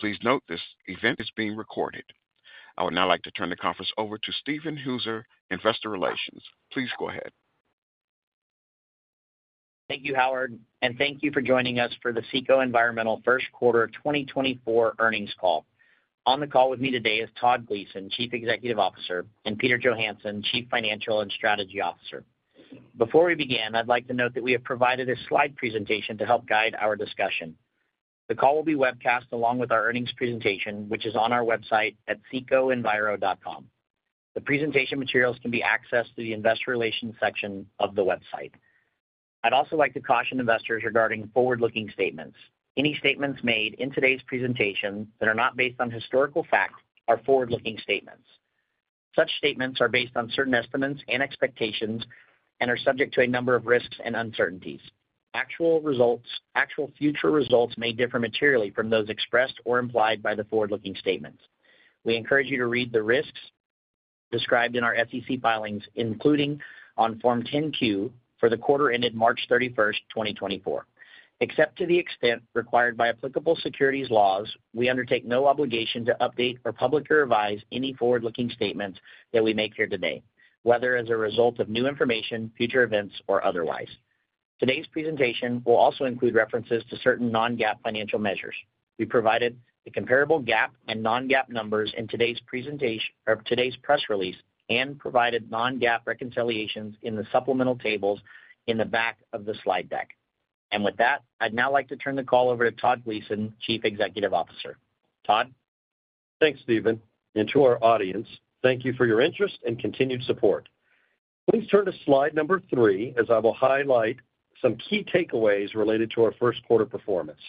Please note this event is being recorded. I would now like to turn the conference over to Steven Hooser, Investor Relations. Please go ahead. Thank you, Howard, and thank you for joining us for the CECO Environmental first quarter 2024 earnings call. On the call with me today is Todd Gleason, Chief Executive Officer, and Peter Johansson, Chief Financial and Strategy Officer. Before we begin, I'd like to note that we have provided a slide presentation to help guide our discussion. The call will be webcast along with our earnings presentation, which is on our website at cecoenviro.com. The presentation materials can be accessed through the Investor Relations section of the website. I'd also like to caution investors regarding forward-looking statements. Any statements made in today's presentation that are not based on historical facts are forward-looking statements. Such statements are based on certain estimates and expectations and are subject to a number of risks and uncertainties. Actual results - actual future results may differ materially from those expressed or implied by the forward-looking statements. We encourage you to read the risks described in our SEC filings, including on Form 10-Q for the quarter ended March 31, 2024. Except to the extent required by applicable securities laws, we undertake no obligation to update or publicly revise any forward-looking statements that we make here today, whether as a result of new information, future events, or otherwise. Today's presentation will also include references to certain non-GAAP financial measures. We provided the comparable GAAP and non-GAAP numbers in today's presentation—or today's press release and provided non-GAAP reconciliations in the supplemental tables in the back of the slide deck. And with that, I'd now like to turn the call over to Todd Gleason, Chief Executive Officer. Todd? Thanks, Steven, and to our audience, thank you for your interest and continued support. Please turn to slide number three, as I will highlight some key takeaways related to our first quarter performance.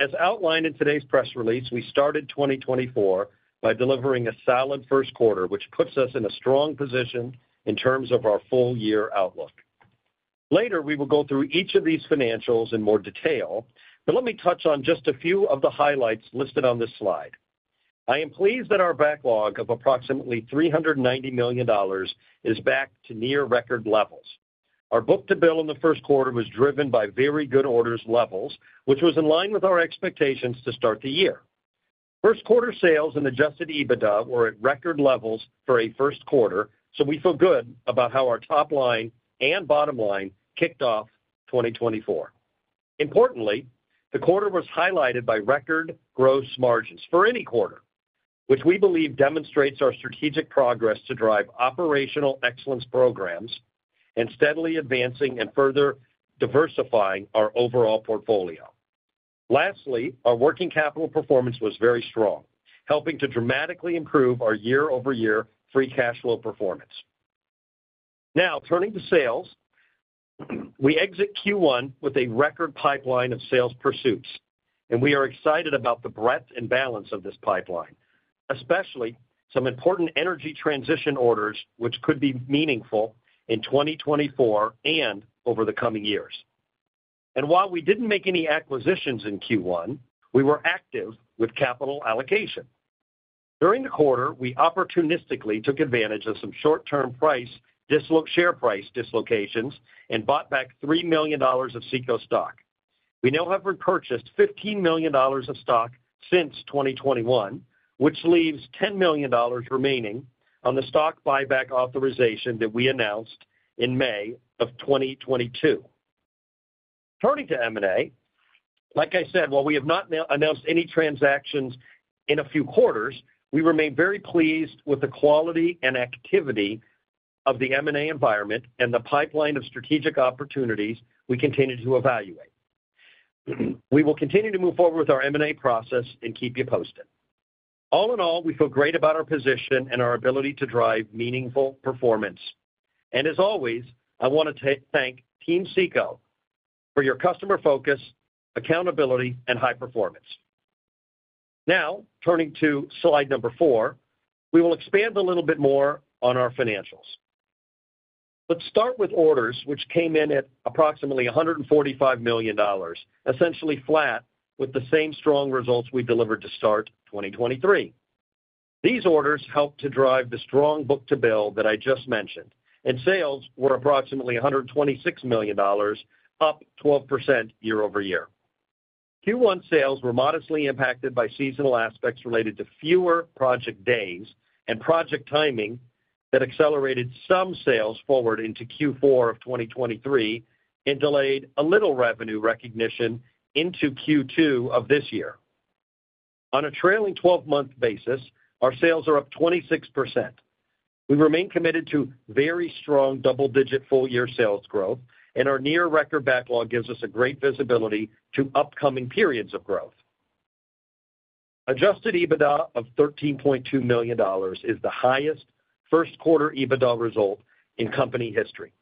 As outlined in today's press release, we started 2024 by delivering a solid first quarter, which puts us in a strong position in terms of our full year outlook. Later, we will go through each of these financials in more detail, but let me touch on just a few of the highlights listed on this slide. I am pleased that our backlog of approximately $390 million is back to near record levels. Our book-to-bill in the first quarter was driven by very good orders levels, which was in line with our expectations to start the year. First quarter sales and Adjusted EBITDA were at record levels for a first quarter, so we feel good about how our top line and bottom line kicked off 2024. Importantly, the quarter was highlighted by record gross margins for any quarter, which we believe demonstrates our strategic progress to drive operational excellence programs and steadily advancing and further diversifying our overall portfolio. Lastly, our working capital performance was very strong, helping to dramatically improve our year-over-year free cash flow performance. Now, turning to sales. We exit Q1 with a record pipeline of sales pursuits, and we are excited about the breadth and balance of this pipeline, especially some important energy transition orders, which could be meaningful in 2024 and over the coming years. While we didn't make any acquisitions in Q1, we were active with capital allocation. During the quarter, we opportunistically took advantage of some short-term share price dislocations, and bought back $3 million of CECO stock. We now have repurchased $15 million of stock since 2021, which leaves $10 million remaining on the stock buyback authorization that we announced in May of 2022. Turning to M&A, like I said, while we have not announced any transactions in a few quarters, we remain very pleased with the quality and activity of the M&A environment and the pipeline of strategic opportunities we continue to evaluate. We will continue to move forward with our M&A process and keep you posted. All in all, we feel great about our position and our ability to drive meaningful performance. And as always, I want to thank Team CECO for your customer focus, accountability, and high performance. Now, turning to slide number 4, we will expand a little bit more on our financials. Let's start with orders, which came in at approximately $145 million, essentially flat, with the same strong results we delivered to start 2023. These orders helped to drive the strong book-to-bill that I just mentioned, and sales were approximately $126 million, up 12% year over year. Q1 sales were modestly impacted by seasonal aspects related to fewer project days and project timing that accelerated some sales forward into Q4 of 2023 and delayed a little revenue recognition into Q2 of this year. On a trailing twelve-month basis, our sales are up 26%. We remain committed to very strong double-digit full-year sales growth, and our near record backlog gives us a great visibility to upcoming periods of growth. Adjusted EBITDA of $13.2 million is the highest first quarter EBITDA result in company history,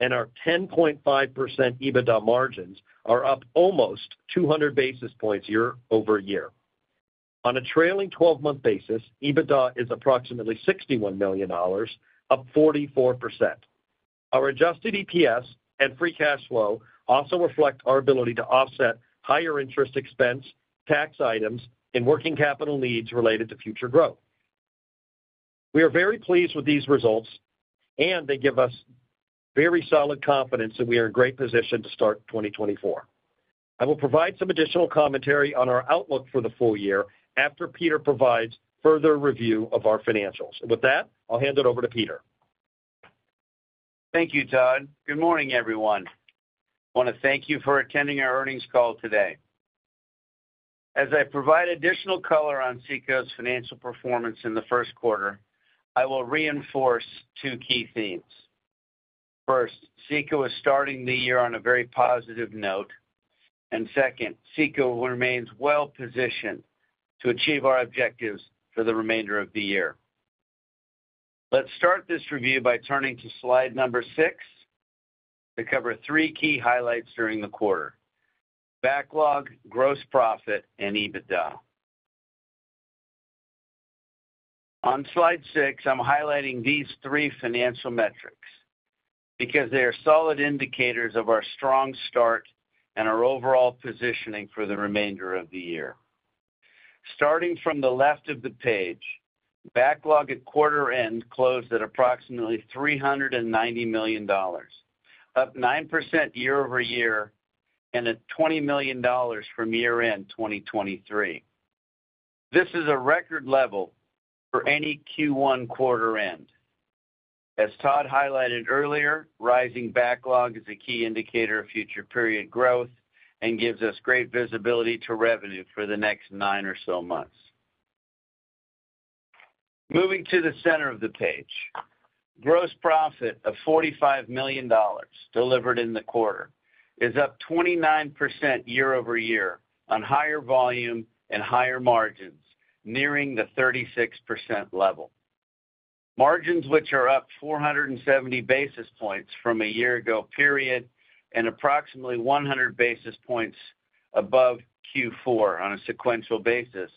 and our 10.5% EBITDA margins are up almost 200 basis points year-over-year. On a trailing twelve-month basis, EBITDA is approximately $61 million, up 44%. Our adjusted EPS and free cash flow also reflect our ability to offset higher interest expense, tax items, and working capital needs related to future growth. We are very pleased with these results, and they give us very solid confidence that we are in great position to start 2024. I will provide some additional commentary on our outlook for the full year after Peter provides further review of our financials. With that, I'll hand it over to Peter. Thank you, Todd. Good morning, everyone. I want to thank you for attending our earnings call today. As I provide additional color on CECO's financial performance in the first quarter, I will reinforce two key themes. First, CECO is starting the year on a very positive note, and second, CECO remains well-positioned to achieve our objectives for the remainder of the year. Let's start this review by turning to slide 6 to cover three key highlights during the quarter: backlog, gross profit, and EBITDA. On slide 6, I'm highlighting these three financial metrics because they are solid indicators of our strong start and our overall positioning for the remainder of the year. Starting from the left of the page, backlog at quarter end closed at approximately $390 million, up 9% year-over-year and $20 million from year-end 2023. This is a record level for any Q1 quarter end. As Todd highlighted earlier, rising backlog is a key indicator of future period growth and gives us great visibility to revenue for the next nine or so months. Moving to the center of the page, gross profit of $45 million delivered in the quarter is up 29% year-over-year on higher volume and higher margins, nearing the 36% level. Margins, which are up 470 basis points from a year ago period and approximately 100 basis points above Q4 on a sequential basis,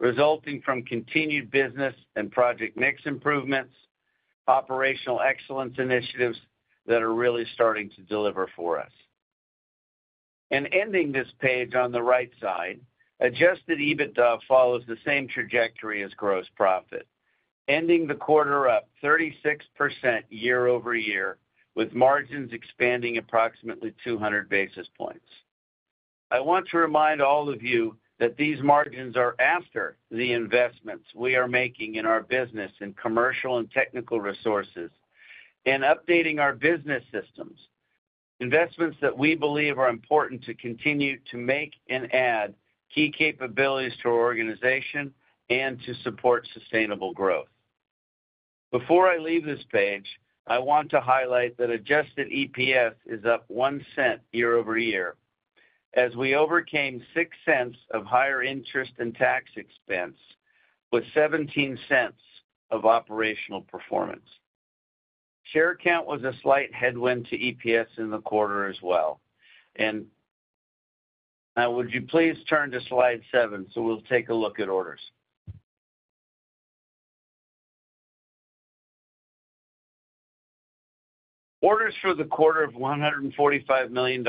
resulting from continued business and project mix improvements, operational excellence initiatives that are really starting to deliver for us. Ending this page on the right side, Adjusted EBITDA follows the same trajectory as gross profit, ending the quarter up 36% year-over-year, with margins expanding approximately 200 basis points. I want to remind all of you that these margins are after the investments we are making in our business in commercial and technical resources and updating our business systems, investments that we believe are important to continue to make and add key capabilities to our organization and to support sustainable growth. Before I leave this page, I want to highlight that Adjusted EPS is up $0.01 year-over-year, as we overcame $0.06 of higher interest and tax expense with $0.17 of operational performance. Share count was a slight headwind to EPS in the quarter as well. And now would you please turn to slide 7, so we'll take a look at orders. Orders for the quarter of $145 million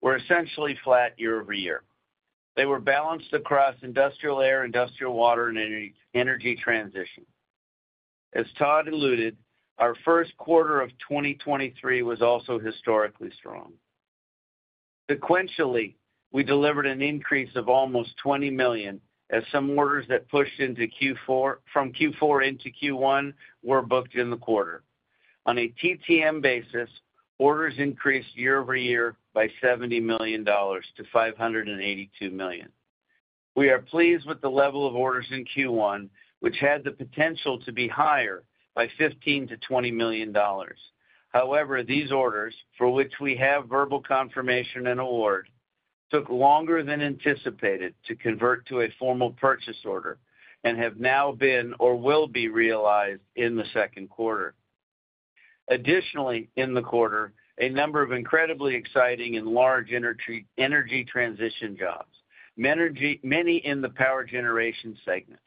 were essentially flat year-over-year. They were balanced across industrial air, industrial water, and energy transition. As Todd alluded, our first quarter of 2023 was also historically strong. Sequentially, we delivered an increase of almost $20 million, as some orders that pushed from Q4 into Q1 were booked in the quarter. On a TTM basis, orders increased year-over-year by $70 million to $582 million. We are pleased with the level of orders in Q1, which had the potential to be higher by $15-$20 million. However, these orders, for which we have verbal confirmation and award, took longer than anticipated to convert to a formal purchase order and have now been or will be realized in the second quarter. Additionally, in the quarter, a number of incredibly exciting and large energy transition jobs, many in the power generation segment,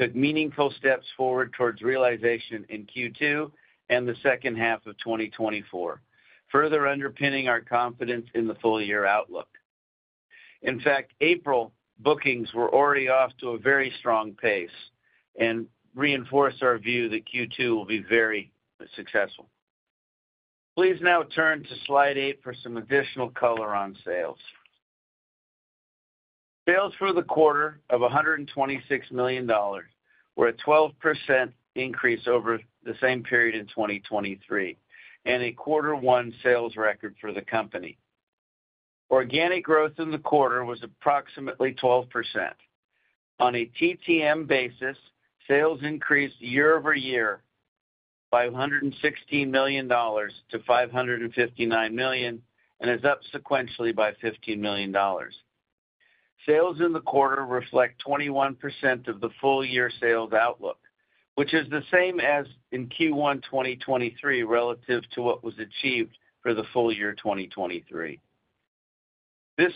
took meaningful steps forward towards realization in Q2 and the second half of 2024, further underpinning our confidence in the full year outlook. In fact, April bookings were already off to a very strong pace and reinforce our view that Q2 will be very successful. Please now turn to slide 8 for some additional color on sales. Sales for the quarter of $126 million were a 12% increase over the same period in 2023, and a quarter one sales record for the company. Organic growth in the quarter was approximately 12%. On a TTM basis, sales increased year-over-year by $116 million to $559 million and is up sequentially by $15 million. Sales in the quarter reflect 21% of the full year sales outlook, which is the same as in Q1 2023 relative to what was achieved for the full year 2023. This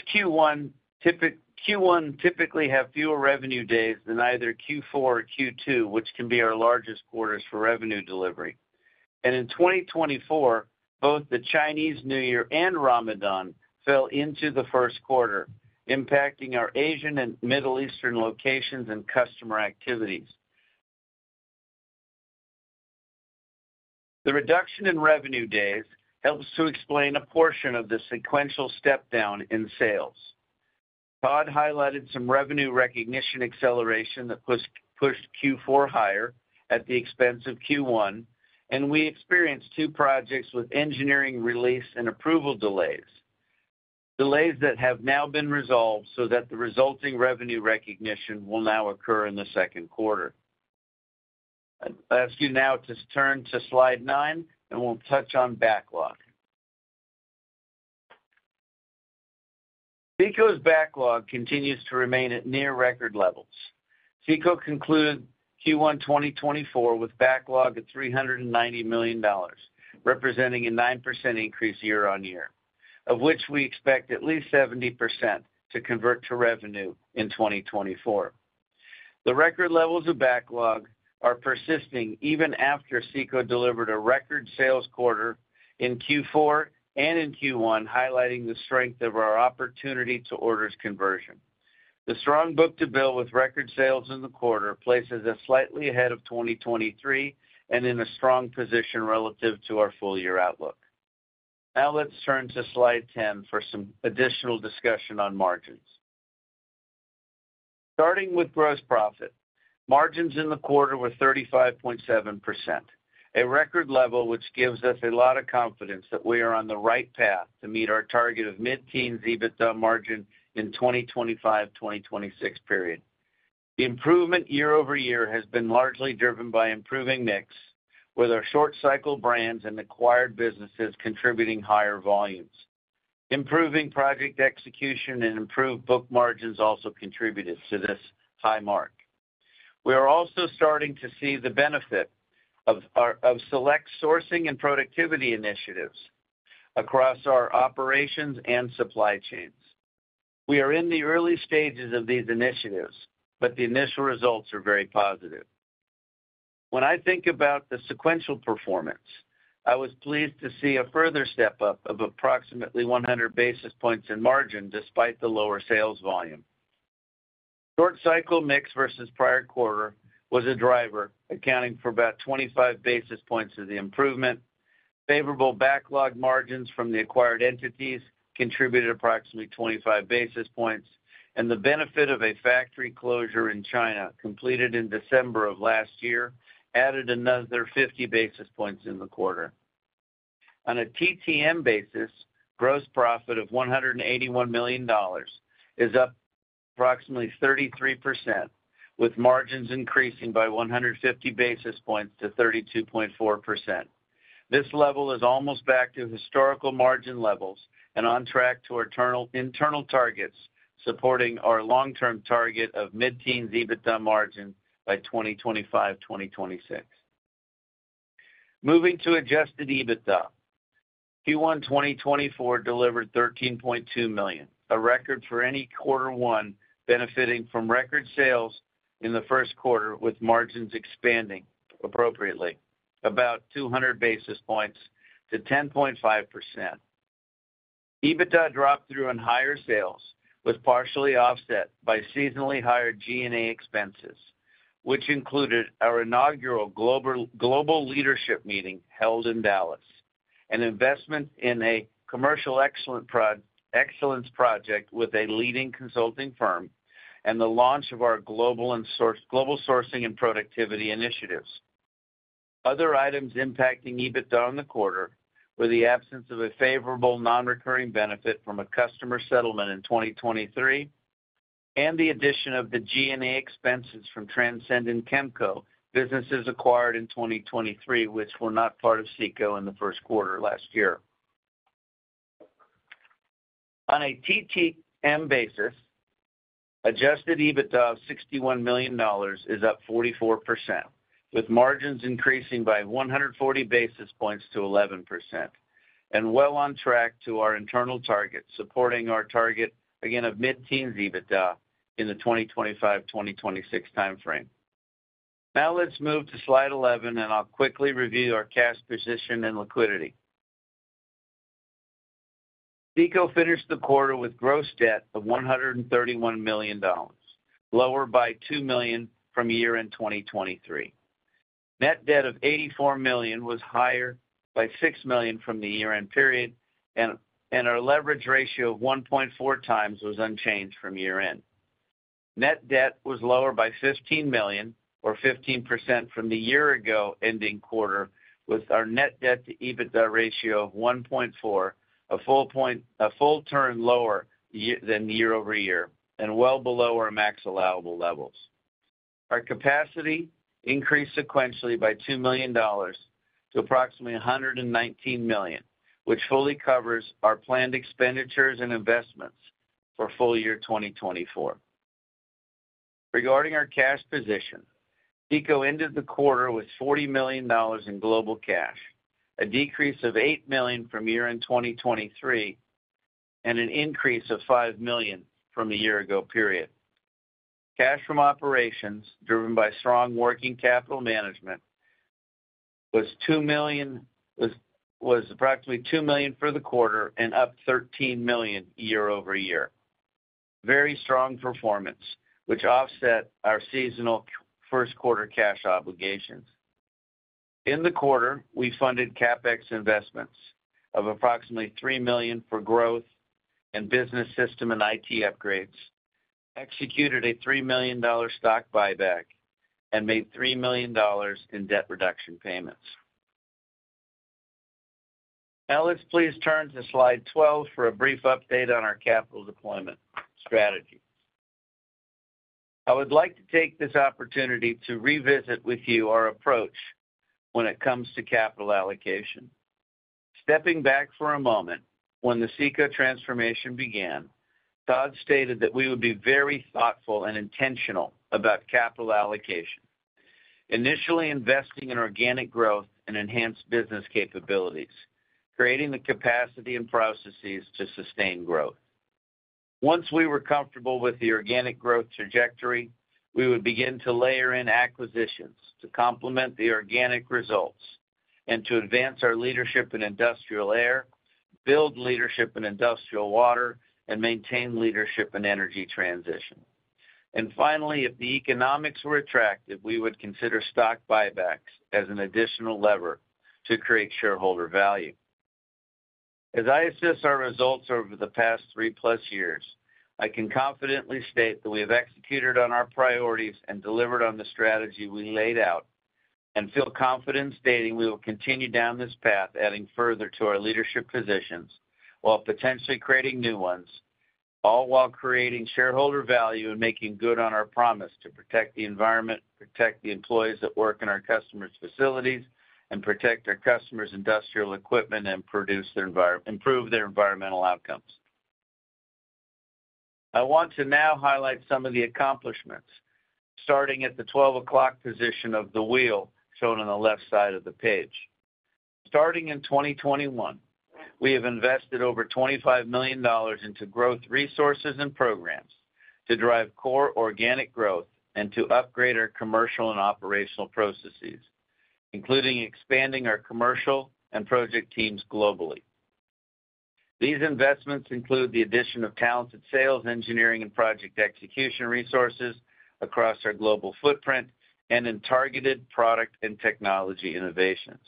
Q1 typically have fewer revenue days than either Q4 or Q2, which can be our largest quarters for revenue delivery, and in 2024, both the Chinese New Year and Ramadan fell into the first quarter, impacting our Asian and Middle Eastern locations and customer activities. The reduction in revenue days helps to explain a portion of the sequential step down in sales. Todd highlighted some revenue recognition acceleration that pushed Q4 higher at the expense of Q1, and we experienced two projects with engineering release and approval delays. Delays that have now been resolved so that the resulting revenue recognition will now occur in the second quarter. I'd ask you now to turn to slide nine, and we'll touch on backlog. CECO's backlog continues to remain at near record levels. CECO concluded Q1 2024 with backlog at $390 million, representing a 9% increase year-on-year, of which we expect at least 70% to convert to revenue in 2024. The record levels of backlog are persisting even after CECO delivered a record sales quarter in Q4 and in Q1, highlighting the strength of our opportunity to orders conversion. The strong book-to-bill with record sales in the quarter places us slightly ahead of 2023 and in a strong position relative to our full year outlook. Now let's turn to slide 10 for some additional discussion on margins. Starting with gross profit. Margins in the quarter were 35.7%, a record level, which gives us a lot of confidence that we are on the right path to meet our target of mid-teen EBITDA margin in 2025, 2026 period. The improvement year-over-year has been largely driven by improving mix with our short cycle brands and acquired businesses contributing higher volumes. Improving project execution and improved book margins also contributed to this high mark. We are also starting to see the benefit of our select sourcing and productivity initiatives across our operations and supply chains. We are in the early stages of these initiatives, but the initial results are very positive. When I think about the sequential performance, I was pleased to see a further step up of approximately 100 basis points in margin, despite the lower sales volume. Short cycle mix versus prior quarter was a driver, accounting for about 25 basis points of the improvement. Favorable backlog margins from the acquired entities contributed approximately 25 basis points, and the benefit of a factory closure in China, completed in December of last year, added another 50 basis points in the quarter. On a TTM basis, gross profit of $181 million is up approximately 33%, with margins increasing by 150 basis points to 32.4%. This level is almost back to historical margin levels and on track to our internal targets, supporting our long-term target of mid-teen EBITDA margin by 2025-2026. Moving to adjusted EBITDA. Q1 2024 delivered $13.2 million, a record for any quarter one, benefiting from record sales in the first quarter, with margins expanding appropriately about 200 basis points to 10.5%. EBITDA drop through on higher sales was partially offset by seasonally higher G&A expenses, which included our inaugural global leadership meeting held in Dallas, an investment in a commercial excellence project with a leading consulting firm, and the launch of our global sourcing and productivity initiatives. Other items impacting EBITDA in the quarter were the absence of a favorable non-recurring benefit from a customer settlement in 2023, and the addition of the G&A expenses from Transcend and Kemco, businesses acquired in 2023, which were not part of CECO in the first quarter last year. On a TTM basis, adjusted EBITDA of $61 million is up 44%, with margins increasing by 140 basis points to 11%, and well on track to our internal target, supporting our target again of mid-teen EBITDA in the 2025, 2026 time frame. Now let's move to slide 11, and I'll quickly review our cash position and liquidity. CECO finished the quarter with gross debt of $131 million, lower by $2 million from year-end 2023. Net debt of $84 million was higher by $6 million from the year-end period, and our leverage ratio of 1.4 times was unchanged from year-end. Net debt was lower by $15 million or 15% from the year-ago ending quarter, with our net debt to EBITDA ratio of 1.4, a full turn lower than the year-over-year and well below our max allowable levels. Our capacity increased sequentially by $2 million to approximately $119 million, which fully covers our planned expenditures and investments for full year 2024. Regarding our cash position, CECO ended the quarter with $40 million in global cash, a decrease of $8 million from year-end 2023, and an increase of $5 million from the year-ago period. Cash from operations, driven by strong working capital management, was approximately $2 million for the quarter and up $13 million year-over-year. Very strong performance, which offset our seasonal first quarter cash obligations. In the quarter, we funded CapEx investments of approximately $3 million for growth and business system and IT upgrades, executed a $3 million stock buyback, and made $3 million in debt reduction payments. Now let's please turn to slide 12 for a brief update on our capital deployment strategy. I would like to take this opportunity to revisit with you our approach when it comes to capital allocation. Stepping back for a moment, when the CECO transformation began, Todd stated that we would be very thoughtful and intentional about capital allocation, initially investing in organic growth and enhanced business capabilities, creating the capacity and processes to sustain growth. Once we were comfortable with the organic growth trajectory, we would begin to layer in acquisitions to complement the organic results and to advance our leadership in industrial air, build leadership in industrial water, and maintain leadership in energy transition. Finally, if the economics were attractive, we would consider stock buybacks as an additional lever to create shareholder value. As I assess our results over the past 3+ years, I can confidently state that we have executed on our priorities and delivered on the strategy we laid out, and feel confident stating we will continue down this path, adding further to our leadership positions while potentially creating new ones, all while creating shareholder value and making good on our promise to protect the environment, protect the employees that work in our customers' facilities, and protect our customers' industrial equipment and produce their environment, improve their environmental outcomes. I want to now highlight some of the accomplishments, starting at the twelve o'clock position of the wheel shown on the left side of the page. Starting in 2021, we have invested over $25 million into growth resources and programs to drive core organic growth and to upgrade our commercial and operational processes, including expanding our commercial and project teams globally. These investments include the addition of talented sales, engineering, and project execution resources across our global footprint and in targeted product and technology innovations.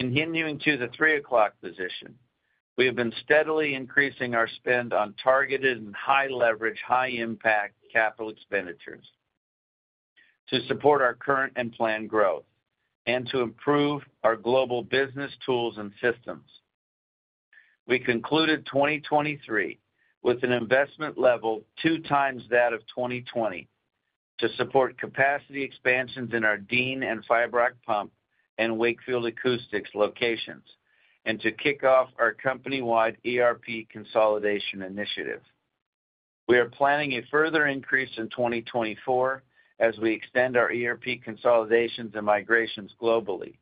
Continuing to the three o'clock position, we have been steadily increasing our spend on targeted and high-leverage, high-impact capital expenditures to support our current and planned growth and to improve our global business tools and systems. We concluded 2023 with an investment level two times that of 2020, to support capacity expansions in our Dean and Fybroc Pump and Wakefield Acoustics locations, and to kick off our company-wide ERP consolidation initiative. We are planning a further increase in 2024 as we extend our ERP consolidations and migrations globally,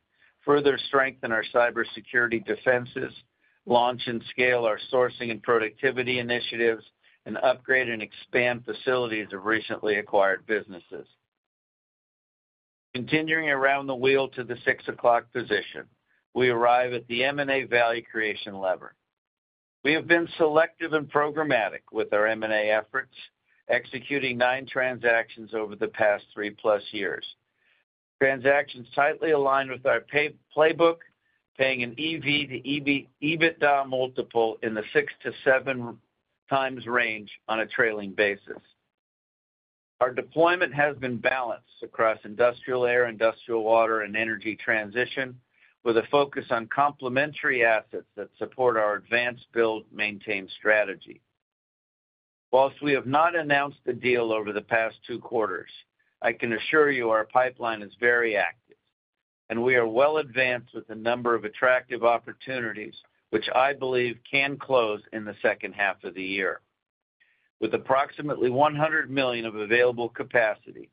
further strengthen our cybersecurity defenses, launch and scale our sourcing and productivity initiatives, and upgrade and expand facilities of recently acquired businesses. Continuing around the wheel to the six o'clock position, we arrive at the M&A value creation lever. We have been selective and programmatic with our M&A efforts, executing nine transactions over the past 3+ years. Transactions tightly aligned with our playbook, paying an EV to EBITDA multiple in the 6-7 times range on a trailing basis. Our deployment has been balanced across industrial air, industrial water, and energy transition, with a focus on complementary assets that support our advanced build maintain strategy. While we have not announced the deal over the past two quarters, I can assure you our pipeline is very active, and we are well advanced with a number of attractive opportunities, which I believe can close in the second half of the year. With approximately $100 million of available capacity,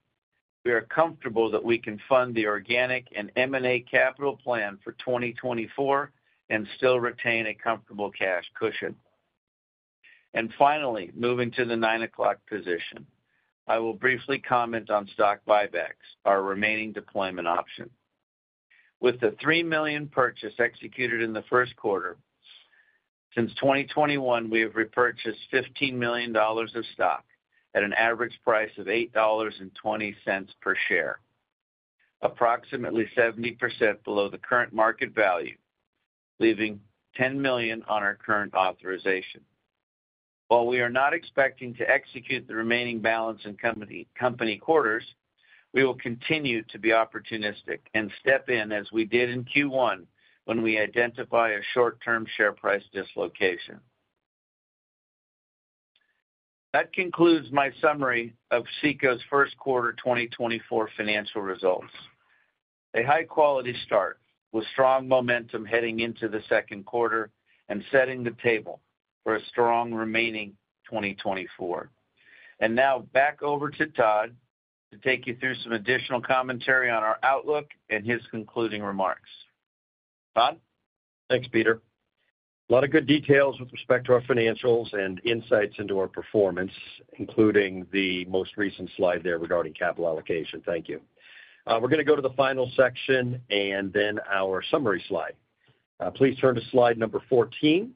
we are comfortable that we can fund the organic and M&A capital plan for 2024 and still retain a comfortable cash cushion. And finally, moving to the nine o'clock position, I will briefly comment on stock buybacks, our remaining deployment option. With the $3 million purchase executed in the first quarter, since 2021, we have repurchased $15 million of stock at an average price of $8.20 per share, approximately 70% below the current market value, leaving $10 million on our current authorization. While we are not expecting to execute the remaining balance in coming quarters, we will continue to be opportunistic and step in as we did in Q1 when we identify a short-term share price dislocation. That concludes my summary of CECO's first quarter 2024 financial results. A high-quality start with strong momentum heading into the second quarter and setting the table for a strong remaining 2024. And now back over to Todd to take you through some additional commentary on our outlook and his concluding remarks.... Todd? Thanks, Peter. A lot of good details with respect to our financials and insights into our performance, including the most recent slide there regarding capital allocation. Thank you. We're gonna go to the final section and then our summary slide. Please turn to slide number 14.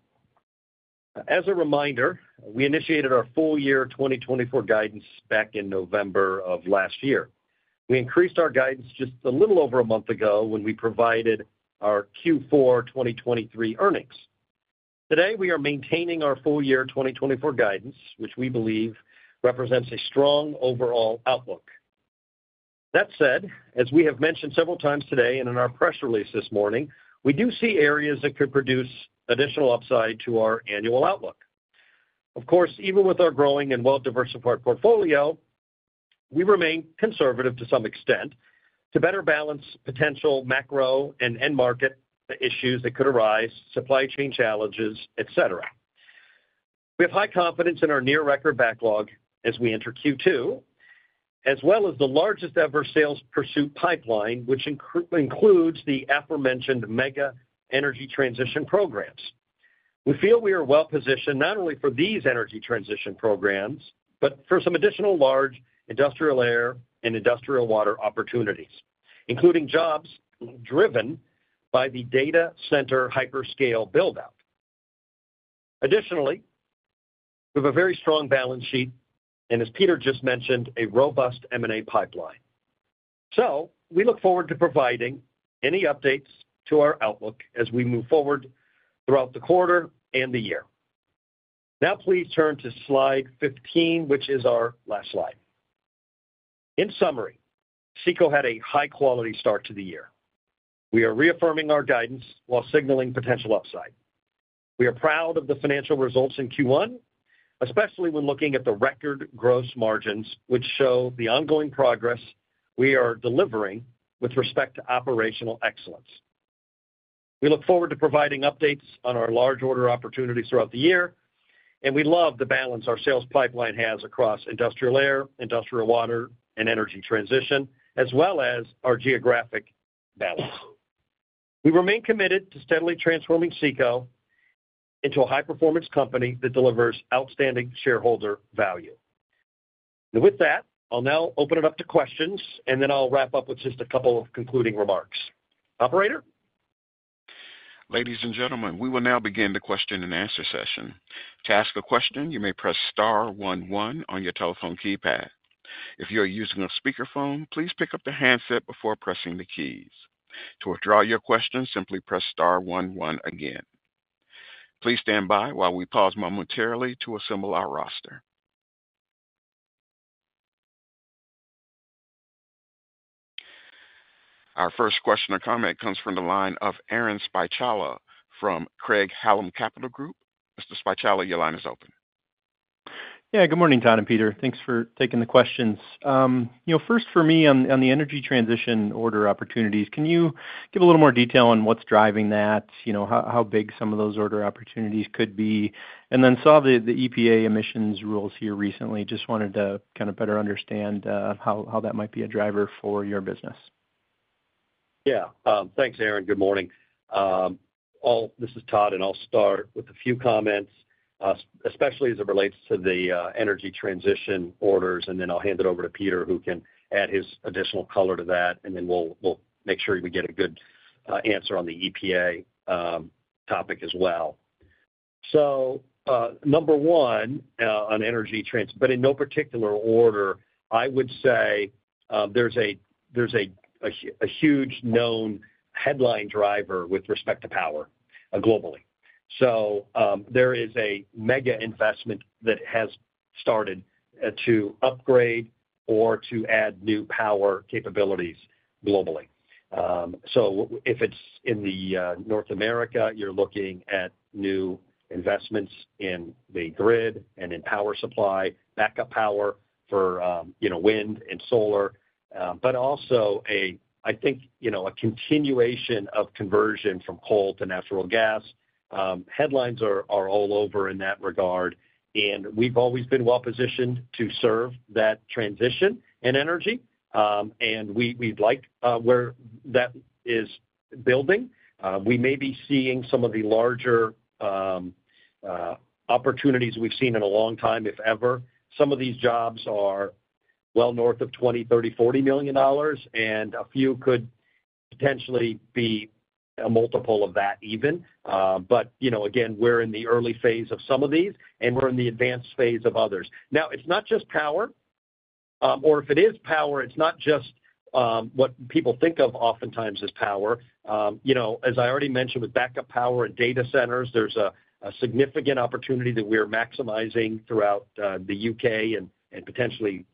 As a reminder, we initiated our full year 2024 guidance back in November of last year. We increased our guidance just a little over a month ago when we provided our Q4 2023 earnings. Today, we are maintaining our full year 2024 guidance, which we believe represents a strong overall outlook. That said, as we have mentioned several times today and in our press release this morning, we do see areas that could produce additional upside to our annual outlook. Of course, even with our growing and well-diversified portfolio, we remain conservative to some extent, to better balance potential macro and end market issues that could arise, supply chain challenges, et cetera. We have high confidence in our near record backlog as we enter Q2, as well as the largest ever sales pursuit pipeline, which includes the aforementioned mega energy transition programs. We feel we are well positioned not only for these energy transition programs, but for some additional large industrial air and industrial water opportunities, including jobs driven by the data center hyperscale build-out. Additionally, we have a very strong balance sheet, and as Peter just mentioned, a robust M&A pipeline. So we look forward to providing any updates to our outlook as we move forward throughout the quarter and the year. Now, please turn to slide 15, which is our last slide. In summary, CECO had a high-quality start to the year. We are reaffirming our guidance while signaling potential upside. We are proud of the financial results in Q1, especially when looking at the record gross margins, which show the ongoing progress we are delivering with respect to operational excellence. We look forward to providing updates on our large order opportunities throughout the year, and we love the balance our sales pipeline has across industrial air, industrial water, and energy transition, as well as our geographic balance. We remain committed to steadily transforming CECO into a high-performance company that delivers outstanding shareholder value. And with that, I'll now open it up to questions, and then I'll wrap up with just a couple of concluding remarks. Operator? Ladies and gentlemen, we will now begin the question-and-answer session. To ask a question, you may press star one one on your telephone keypad. If you are using a speakerphone, please pick up the handset before pressing the keys. To withdraw your question, simply press star one one again. Please stand by while we pause momentarily to assemble our roster. Our first question or comment comes from the line of Aaron Spychalla from Craig-Hallum Capital Group. Mr. Spychalla, your line is open. Yeah, good morning, Todd and Peter. Thanks for taking the questions. You know, first for me on, on the energy transition order opportunities, can you give a little more detail on what's driving that? You know, how, how big some of those order opportunities could be? And then saw the, the EPA emissions rules here recently. Just wanted to kind of better understand, how, how that might be a driver for your business. Yeah. Thanks, Aaron. Good morning. I'll-- this is Todd, and I'll start with a few comments, especially as it relates to the energy transition orders, and then I'll hand it over to Peter, who can add his additional color to that, and then we'll make sure we get a good answer on the EPA topic as well. So, number one, on energy trans, but in no particular order, I would say, there's a huge known headline driver with respect to power globally. So, there is a mega investment that has started to upgrade or to add new power capabilities globally. So if it's in the North America, you're looking at new investments in the grid and in power supply, backup power for, you know, wind and solar, but also, I think, you know, a continuation of conversion from coal to natural gas. Headlines are all over in that regard, and we've always been well positioned to serve that transition in energy. And we like where that is building. We may be seeing some of the larger opportunities we've seen in a long time, if ever. Some of these jobs are well north of $20 million, $30 million, $40 million, and a few could potentially be a multiple of that even. But, you know, again, we're in the early phase of some of these, and we're in the advanced phase of others. Now, it's not just power, or if it is power, it's not just what people think of oftentimes as power. You know, as I already mentioned, with backup power at data centers, there's a significant opportunity that we're maximizing throughout the U.K. and potentially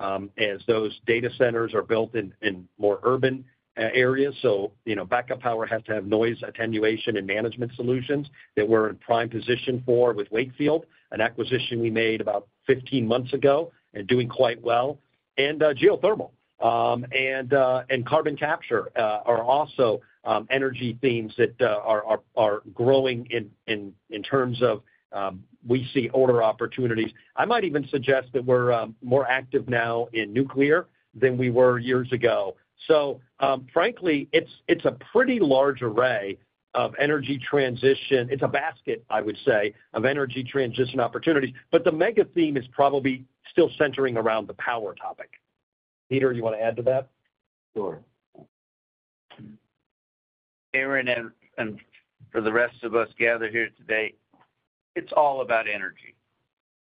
Europe, as those data centers are built in more urban areas. So, you know, backup power has to have noise attenuation and management solutions that we're in prime position for with Wakefield, an acquisition we made about 15 months ago and doing quite well. And, geothermal and carbon capture are also energy themes that are growing in terms of we see order opportunities. I might even suggest that we're more active now in nuclear than we were years ago. So, frankly, it's a pretty large array of energy transition. It's a basket, I would say, of energy transition opportunities, but the mega theme is probably still centering around the power topic. Peter, do you want to add to that? Sure.... Aaron, and for the rest of us gathered here today, it's all about energy.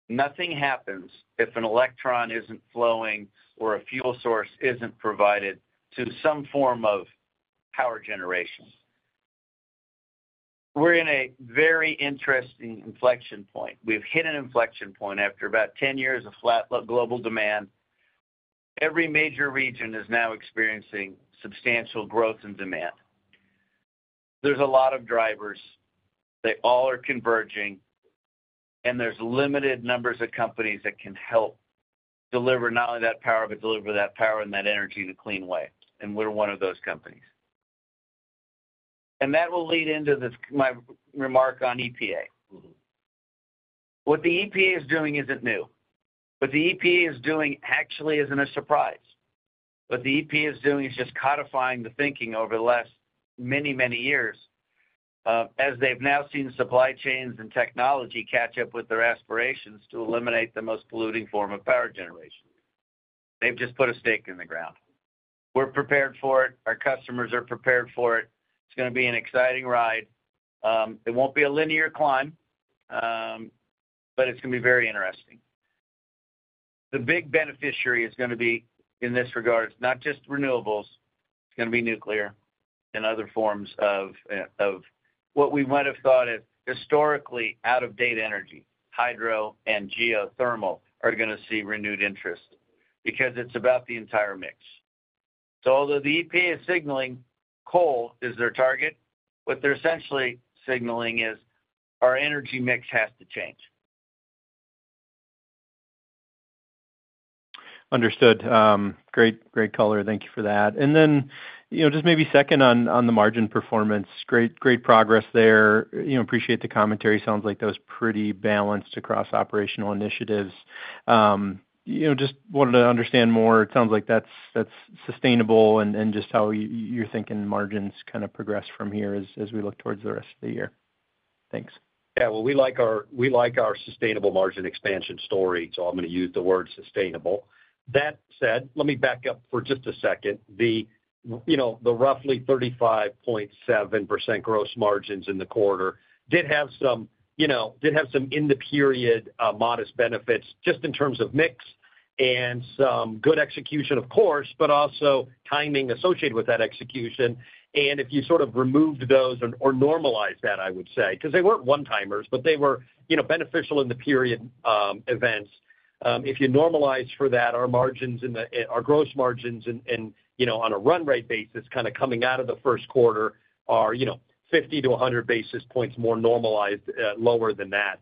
Nothing happens if an electron isn't flowing or a fuel source isn't provided to some form of power generation. We're in a very interesting inflection point. We've hit an inflection point after about ten years of flat global demand. Every major region is now experiencing substantial growth and demand. There's a lot of drivers, they all are converging, and there's limited numbers of companies that can help deliver not only that power, but deliver that power and that energy in a clean way, and we're one of those companies. And that will lead into this, my remark on EPA. What the EPA is doing isn't new. What the EPA is doing actually isn't a surprise. What the EPA is doing is just codifying the thinking over the last many, many years, as they've now seen supply chains and technology catch up with their aspirations to eliminate the most polluting form of power generation. They've just put a stake in the ground. We're prepared for it. Our customers are prepared for it. It's gonna be an exciting ride. It won't be a linear climb, but it's gonna be very interesting. The big beneficiary is gonna be, in this regard, it's not just renewables, it's gonna be nuclear and other forms of, of what we might have thought of historically out-of-date energy. Hydro and geothermal are gonna see renewed interest because it's about the entire mix. So although the EPA is signaling coal is their target, what they're essentially signaling is our energy mix has to change. Understood. Great, great color. Thank you for that. And then, you know, just maybe second on, on the margin performance, great, great progress there. You know, appreciate the commentary. Sounds like that was pretty balanced across operational initiatives. You know, just wanted to understand more. It sounds like that's, that's sustainable and, and just how you're thinking margins kind of progress from here as, as we look towards the rest of the year. Thanks. Yeah, well, we like our sustainable margin expansion story, so I'm gonna use the word sustainable. That said, let me back up for just a second. The, you know, the roughly 35.7% gross margins in the quarter did have some, you know, did have some in the period, modest benefits, just in terms of mix and some good execution, of course, but also timing associated with that execution. And if you sort of removed those or, or normalized that, I would say, 'cause they weren't one-timers, but they were, you know, beneficial in the period, events. If you normalize for that, our margins in the, our gross margins and, you know, on a run rate basis, kind of coming out of the first quarter are, you know, 50-100 basis points more normalized, lower than that.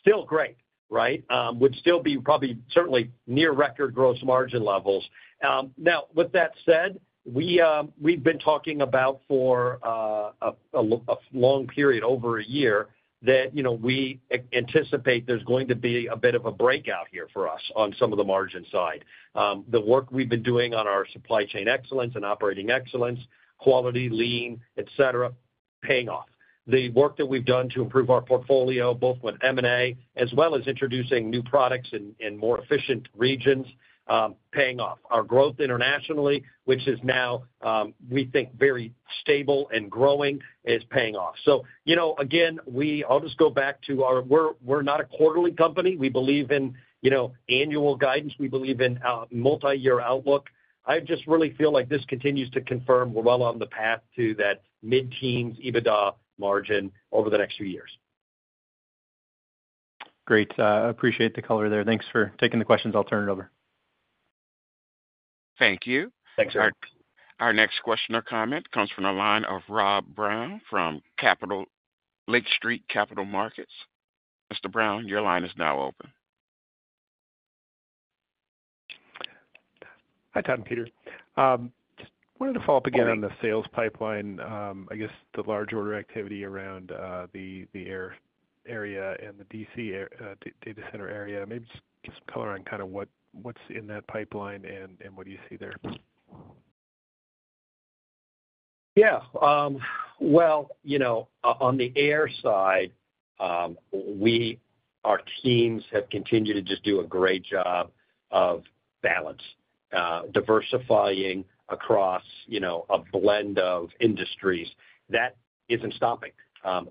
Still great, right? Would still be probably, certainly near record gross margin levels. Now, with that said, we've been talking about for a long period, over a year, that, you know, we anticipate there's going to be a bit of a breakout here for us on some of the margin side. The work we've been doing on our supply chain excellence and operating excellence, quality, lean, et cetera, paying off. The work that we've done to improve our portfolio, both with M&A as well as introducing new products in more efficient regions, paying off. Our growth internationally, which is now, we think, very stable and growing, is paying off. So, you know, again, we'll just go back to our... We're not a quarterly company. We believe in, you know, annual guidance. We believe in multiyear outlook. I just really feel like this continues to confirm we're well on the path to that mid-teens EBITDA margin over the next few years. Great. Appreciate the color there. Thanks for taking the questions. I'll turn it over. Thank you. Thanks, Aaron. Our next question or comment comes from the line of Rob Brown from Lake Street Capital Markets. Mr. Brown, your line is now open. Hi, Todd and Peter. Just wanted to follow up again on the sales pipeline, I guess the large order activity around the air area and the data center area. Maybe just give some color on kind of what, what's in that pipeline and what do you see there? Yeah. Well, you know, on the air side, our teams have continued to just do a great job of balance, diversifying across, you know, a blend of industries. That isn't stopping.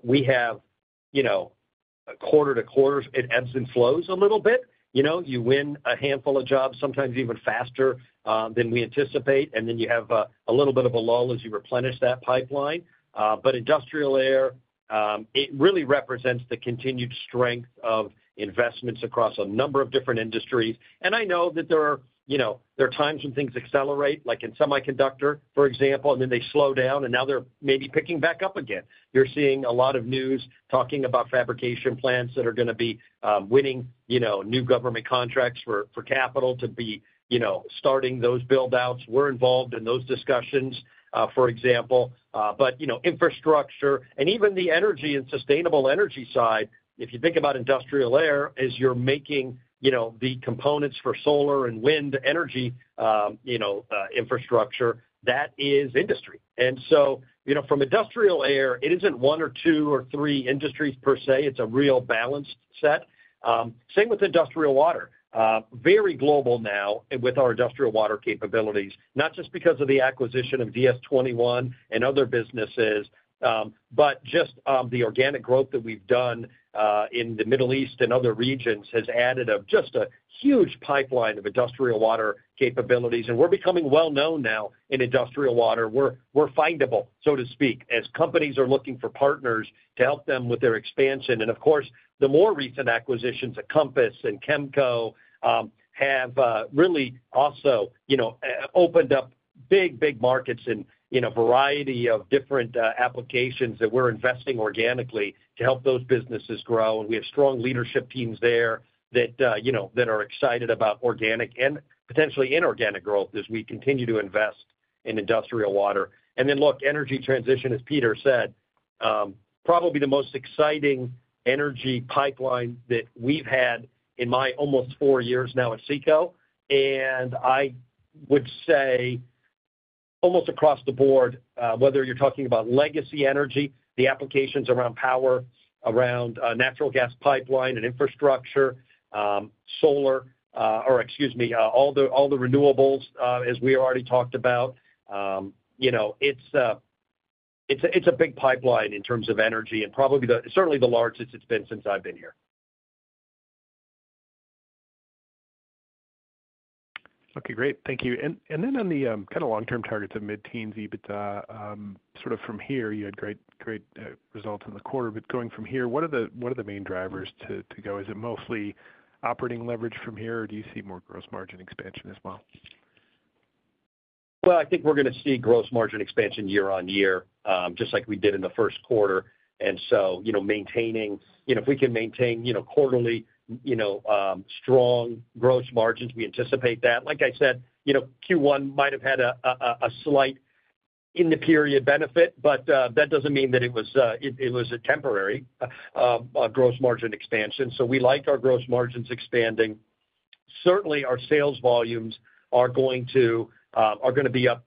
We have, you know, a quarter to quarter, it ebbs and flows a little bit. You know, you win a handful of jobs, sometimes even faster than we anticipate, and then you have a little bit of a lull as you replenish that pipeline. But industrial air, it really represents the continued strength of investments across a number of different industries. And I know that there are, you know, there are times when things accelerate, like in semiconductor, for example, and then they slow down, and now they're maybe picking back up again. You're seeing a lot of news talking about fabrication plants that are gonna be winning, you know, new government contracts for, for capital to be, you know, starting those build-outs. We're involved in those discussions, for example. But, you know, infrastructure and even the energy and sustainable energy side, if you think about industrial air, is you're making, you know, the components for solar and wind energy, you know, infrastructure, that is industry. And so, you know, from industrial air, it isn't one or two or three industries per se, it's a real balanced set. Same with industrial water. Very global now with our industrial water capabilities, not just because of the acquisition of DS21 and other businesses, but just the organic growth that we've done in the Middle East and other regions has added up just a huge pipeline of industrial water capabilities. And we're becoming well known now in industrial water. We're findable, so to speak, as companies are looking for partners to help them with their expansion. And of course, the more recent acquisitions of Compass and Kemco have really also, you know, opened up big, big markets in a variety of different applications that we're investing organically to help those businesses grow. And we have strong leadership teams there that, you know, that are excited about organic and potentially inorganic growth as we continue to invest in industrial water. Then look, energy transition, as Peter said, probably the most exciting energy pipeline that we've had in my almost four years now at CECO. And I would say almost across the board, whether you're talking about legacy energy, the applications around power, around natural gas pipeline and infrastructure, solar, or excuse me, all the renewables, as we already talked about. You know, it's a big pipeline in terms of energy and probably certainly the largest it's been since I've been here. Okay, great. Thank you. And then on the kind of long-term targets of mid-teens EBITDA, sort of from here, you had great results in the quarter. But going from here, what are the main drivers to go? Is it mostly operating leverage from here, or do you see more gross margin expansion as well? Well, I think we're gonna see gross margin expansion year-over-year, just like we did in the first quarter. And so, you know, maintaining... You know, if we can maintain, you know, quarterly, you know, strong gross margins, we anticipate that. Like I said, you know, Q1 might have had a slight in-the-period benefit, but that doesn't mean that it was a temporary gross margin expansion. So we like our gross margins expanding. Certainly, our sales volumes are gonna be up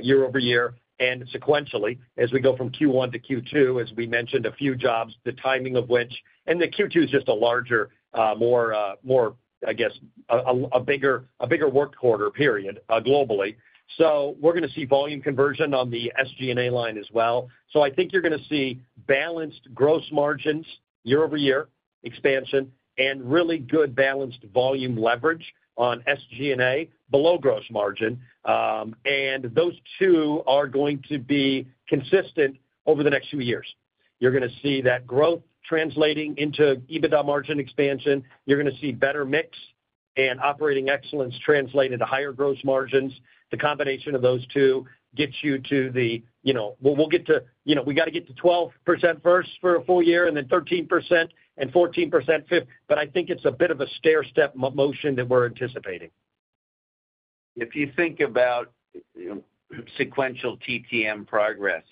year-over-year and sequentially as we go from Q1 to Q2. As we mentioned, a few jobs, the timing of which—and Q2 is just a larger, I guess, a bigger work quarter period, globally. So we're gonna see volume conversion on the SG&A line as well. So I think you're gonna see balanced gross margins year-over-year expansion, and really good balanced volume leverage on SG&A below gross margin. And those two are going to be consistent over the next few years. You're gonna see that growth translating into EBITDA margin expansion. You're gonna see better mix and operating excellence translate into higher gross margins. The combination of those two gets you to the, you know... We'll get to, you know, we gotta get to 12% first for a full year, and then 13% and 14% fifth. But I think it's a bit of a stairstep motion that we're anticipating. If you think about, you know, sequential TTM progress,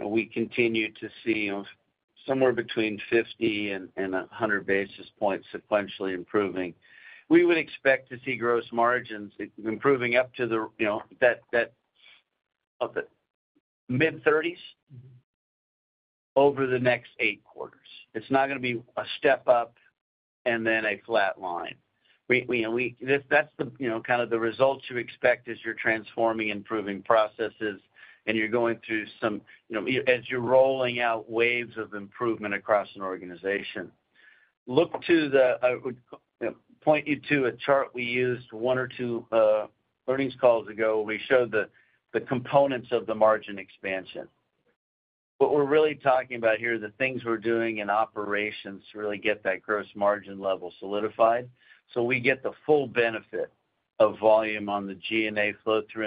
we continue to see somewhere between 50 and 100 basis points sequentially improving. We would expect to see gross margins improving up to the, you know, that, that, of the mid-30s% over the next 8 quarters. It's not gonna be a step up and then a flat line. We and we-- That's the, you know, kind of the results you expect as you're transforming, improving processes, and you're going through some, you know, as you're rolling out waves of improvement across an organization. Look to the. I would, you know, point you to a chart we used one or two earnings calls ago, where we showed the, the components of the margin expansion. What we're really talking about here are the things we're doing in operations to really get that gross margin level solidified, so we get the full benefit of volume on the G&A flow through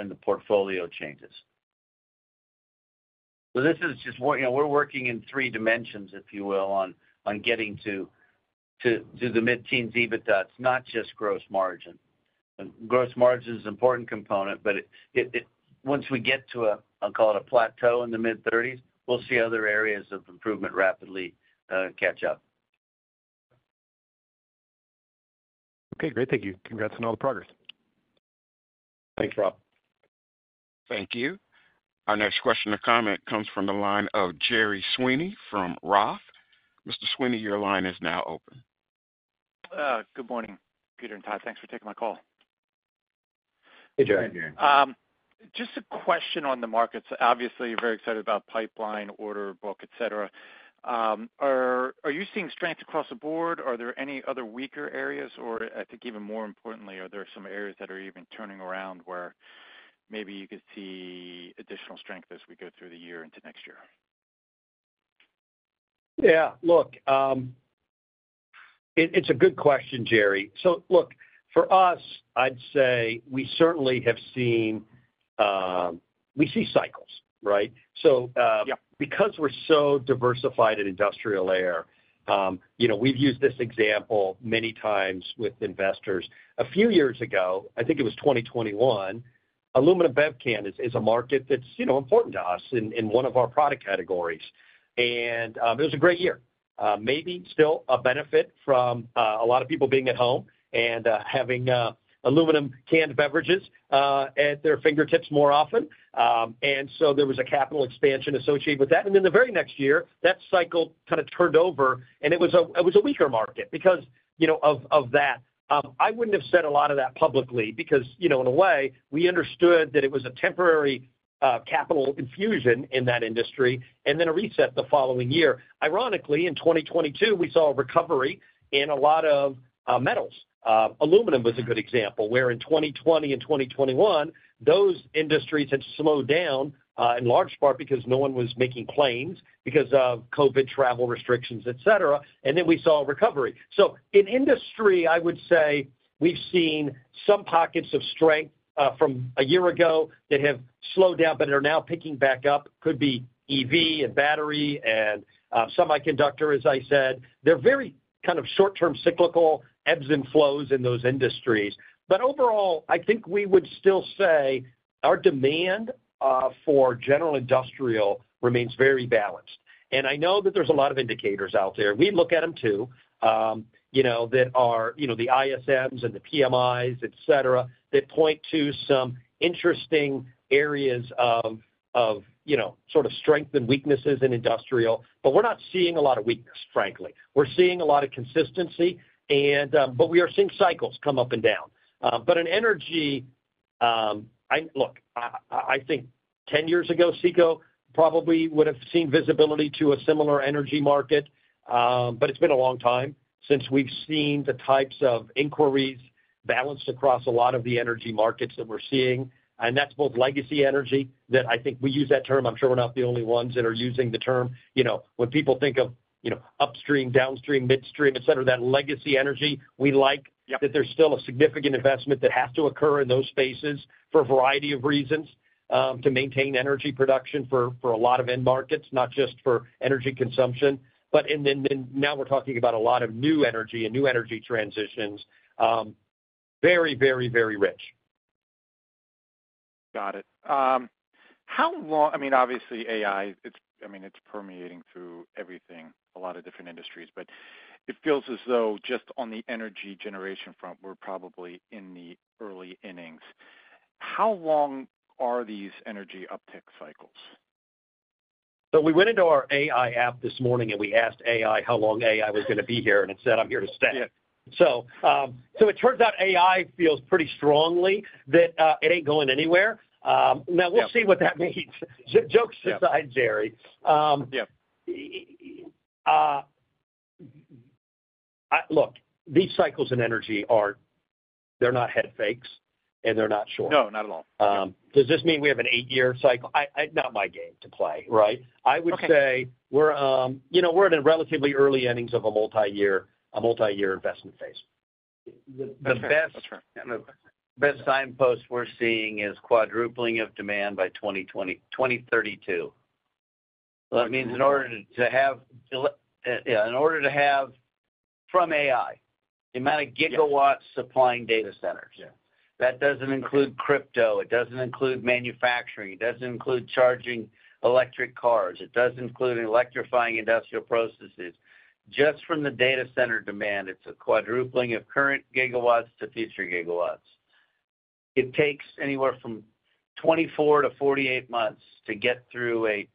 and the portfolio changes. So this is just work. You know, we're working in three dimensions, if you will, on getting to the mid-teens EBITDA. It's not just gross margin. Gross margin is an important component, but it once we get to a, I'll call it a plateau in the mid-thirties, we'll see other areas of improvement rapidly catch up. Okay, great. Thank you. Congrats on all the progress. Thanks, Rob. Thank you. Our next question or comment comes from the line of Gerry Sweeney from Roth. Mr. Sweeney, your line is now open. Good morning, Peter and Todd. Thanks for taking my call. Hey, Gerry. Hey, Gerry. Just a question on the markets. Obviously, you're very excited about pipeline, order book, et cetera. Are you seeing strength across the board? Are there any other weaker areas? Or I think even more importantly, are there some areas that are even turning around where maybe you could see additional strength as we go through the year into next year? Yeah. Look, it's a good question, Gerry. So look, for us, I'd say we certainly have seen... We see cycles, right? Yep. So, because we're so diversified in industrial air, you know, we've used this example many times with investors. A few years ago, I think it was 2021, aluminum bev can is a market that's, you know, important to us in one of our product categories. And it was a great year. Maybe still a benefit from a lot of people being at home and having aluminum canned beverages at their fingertips more often. And so there was a capital expansion associated with that. And then the very next year, that cycle kind of turned over, and it was a weaker market because, you know, of that. I wouldn't have said a lot of that publicly because, you know, in a way, we understood that it was a temporary capital infusion in that industry and then a reset the following year. Ironically, in 2022, we saw a recovery in a lot of metals. Aluminum was a good example, where in 2020 and 2021, those industries had slowed down in large part because no one was making claims, because of COVID travel restrictions, et cetera, and then we saw a recovery. So in industry, I would say we've seen some pockets of strength from a year ago that have slowed down, but are now picking back up. Could be EV and battery and semiconductor, as I said. They're very kind of short-term, cyclical ebbs and flows in those industries. But overall, I think we would still say our demand for general industrial remains very balanced. And I know that there's a lot of indicators out there. We look at them, too, you know, that are, you know, the ISMs and the PMIs, et cetera, that point to some interesting areas of, of, you know, sort of strength and weaknesses in industrial. But we're not seeing a lot of weakness, frankly. We're seeing a lot of consistency, and, but we are seeing cycles come up and down. But in energy, look, I think 10 years ago, CECO probably would have seen visibility to a similar energy market, but it's been a long time since we've seen the types of inquiries balanced across a lot of the energy markets that we're seeing. And that's both legacy energy that I think we use that term, I'm sure we're not the only ones that are using the term. You know, when people think of, you know, upstream, downstream, midstream, et cetera, that legacy energy, we like- Yep. That there's still a significant investment that has to occur in those spaces for a variety of reasons, to maintain energy production for a lot of end markets, not just for energy consumption. But and then now we're talking about a lot of new energy and new energy transitions. Very, very, very rich. Got it. How long... I mean, obviously, AI, it's, I mean, it's permeating through everything, a lot of different industries, but it feels as though just on the energy generation front, we're probably in the early innings. How long are these energy uptick cycles? So we went into our AI app this morning, and we asked AI how long AI was gonna be here, and it said, "I'm here to stay. Yeah. So, it turns out AI feels pretty strongly that it ain't going anywhere. Now we'll see what that means. Jokes aside, Gerry, Yep. Look, these cycles in energy are, they're not head fakes, and they're not short. No, not at all. Does this mean we have an eight-year cycle? Not my game to play, right? Okay. I would say we're, you know, we're in a relatively early innings of a multiyear, a multiyear investment phase. That's right. The best signpost we're seeing is quadrupling of demand by 2020, 2032. That means in order to, to have, in order to have, from AI, the amount of gigawatts- Yeah... supplying data centers. Yeah. That doesn't include crypto. It doesn't include manufacturing. It doesn't include charging electric cars. It doesn't include electrifying industrial processes. Just from the data center demand, it's a quadrupling of current gigawatts to future gigawatts. It takes anywhere from 24-48 months to get through a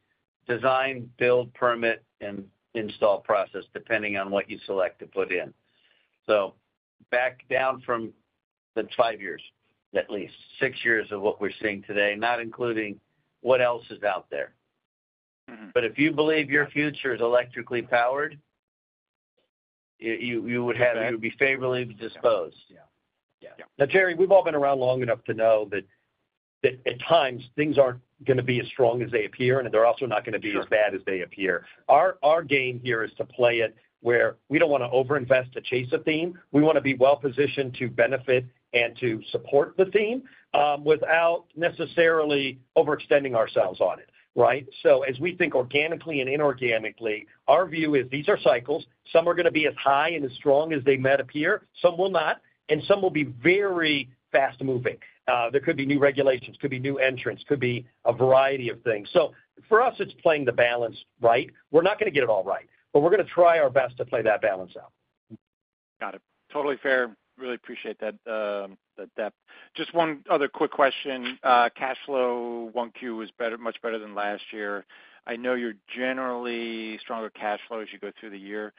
design, build, permit, and install process, depending on what you select to put in. So back down from the 5 years, at least 6 years of what we're seeing today, not including what else is out there. Mm-hmm. But if you believe your future is electrically powered, you would have- Okay. You would be favorably disposed. Yeah. Yeah. Yeah. Now, Gerry, we've all been around long enough to know that at times, things aren't gonna be as strong as they appear, and they're also not gonna be- Sure... as bad as they appear. Our, our game here is to play it where we don't wanna overinvest to chase a theme. We wanna be well-positioned to benefit and to support the theme, without necessarily overextending ourselves on it, right? So as we think organically and inorganically, our view is these are cycles. Some are gonna be as high and as strong as they might appear, some will not, and some will be very fast-moving. There could be new regulations, could be new entrants, could be a variety of things. So for us, it's playing the balance right. We're not gonna get it all right, but we're gonna try our best to play that balance out. Got it. Totally fair. Really appreciate that, that depth. Just one other quick question. Cash flow, 1Q was better, much better than last year. I know you're generally stronger cash flow as you go through the year.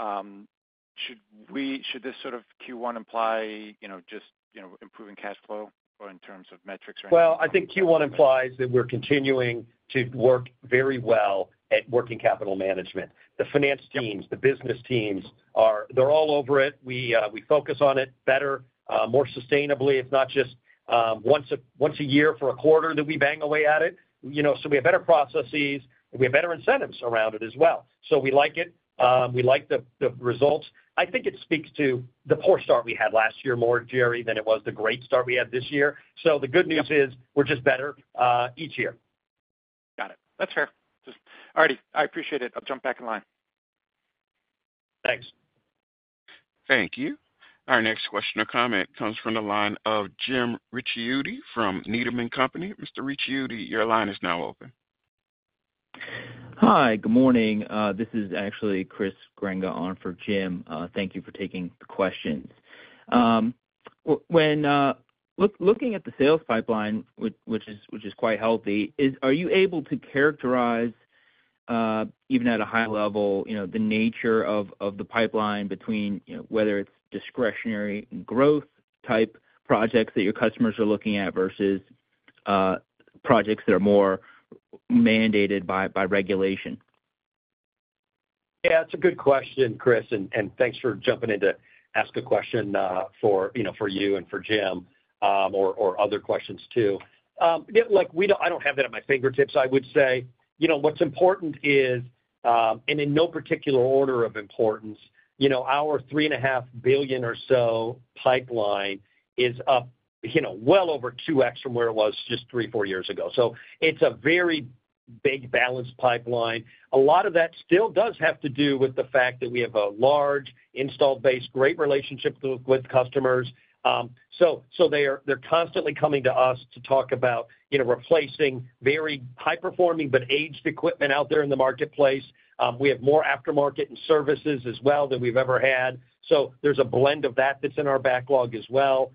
Should this sort of Q1 imply, you know, just, you know, improving cash flow or in terms of metrics or anything? Well, I think Q1 implies that we're continuing to work very well at working capital management. The finance teams- Yep... the business teams are, they're all over it. We focus on it better, more sustainably. It's not just once a year for a quarter that we bang away at it, you know. So we have better processes, and we have better incentives around it as well. So we like it. We like the results. I think it speaks to the poor start we had last year, more, Gerry, than it was the great start we had this year. Yep. The good news is we're just better each year. Got it. That's fair. Just... All righty, I appreciate it. I'll jump back in line. Thanks. Thank you. Our next question or comment comes from the line of Jim Ricchiuti from Needham & Company. Mr. Ricchiuti, your line is now open. Hi, good morning. This is actually Chris Grenga on for Jim. Thank you for taking the questions. When looking at the sales pipeline, which is quite healthy, are you able to characterize, even at a high level, you know, the nature of the pipeline between, you know, whether it's discretionary growth-type projects that your customers are looking at versus projects that are more mandated by regulation? Yeah, it's a good question, Chris, and thanks for jumping in to ask a question, for, you know, for you and for Jim, or other questions, too. Like, I don't have that at my fingertips. I would say, you know, what's important is, and in no particular order of importance, you know, our $3.5 billion or so pipeline is up, you know, well over 2x from where it was just 3-4 years ago. So it's a very big balanced pipeline. A lot of that still does have to do with the fact that we have a large installed base, great relationship with customers. So they're constantly coming to us to talk about, you know, replacing very high-performing but aged equipment out there in the marketplace. We have more aftermarket and services as well than we've ever had. So there's a blend of that that's in our backlog as well.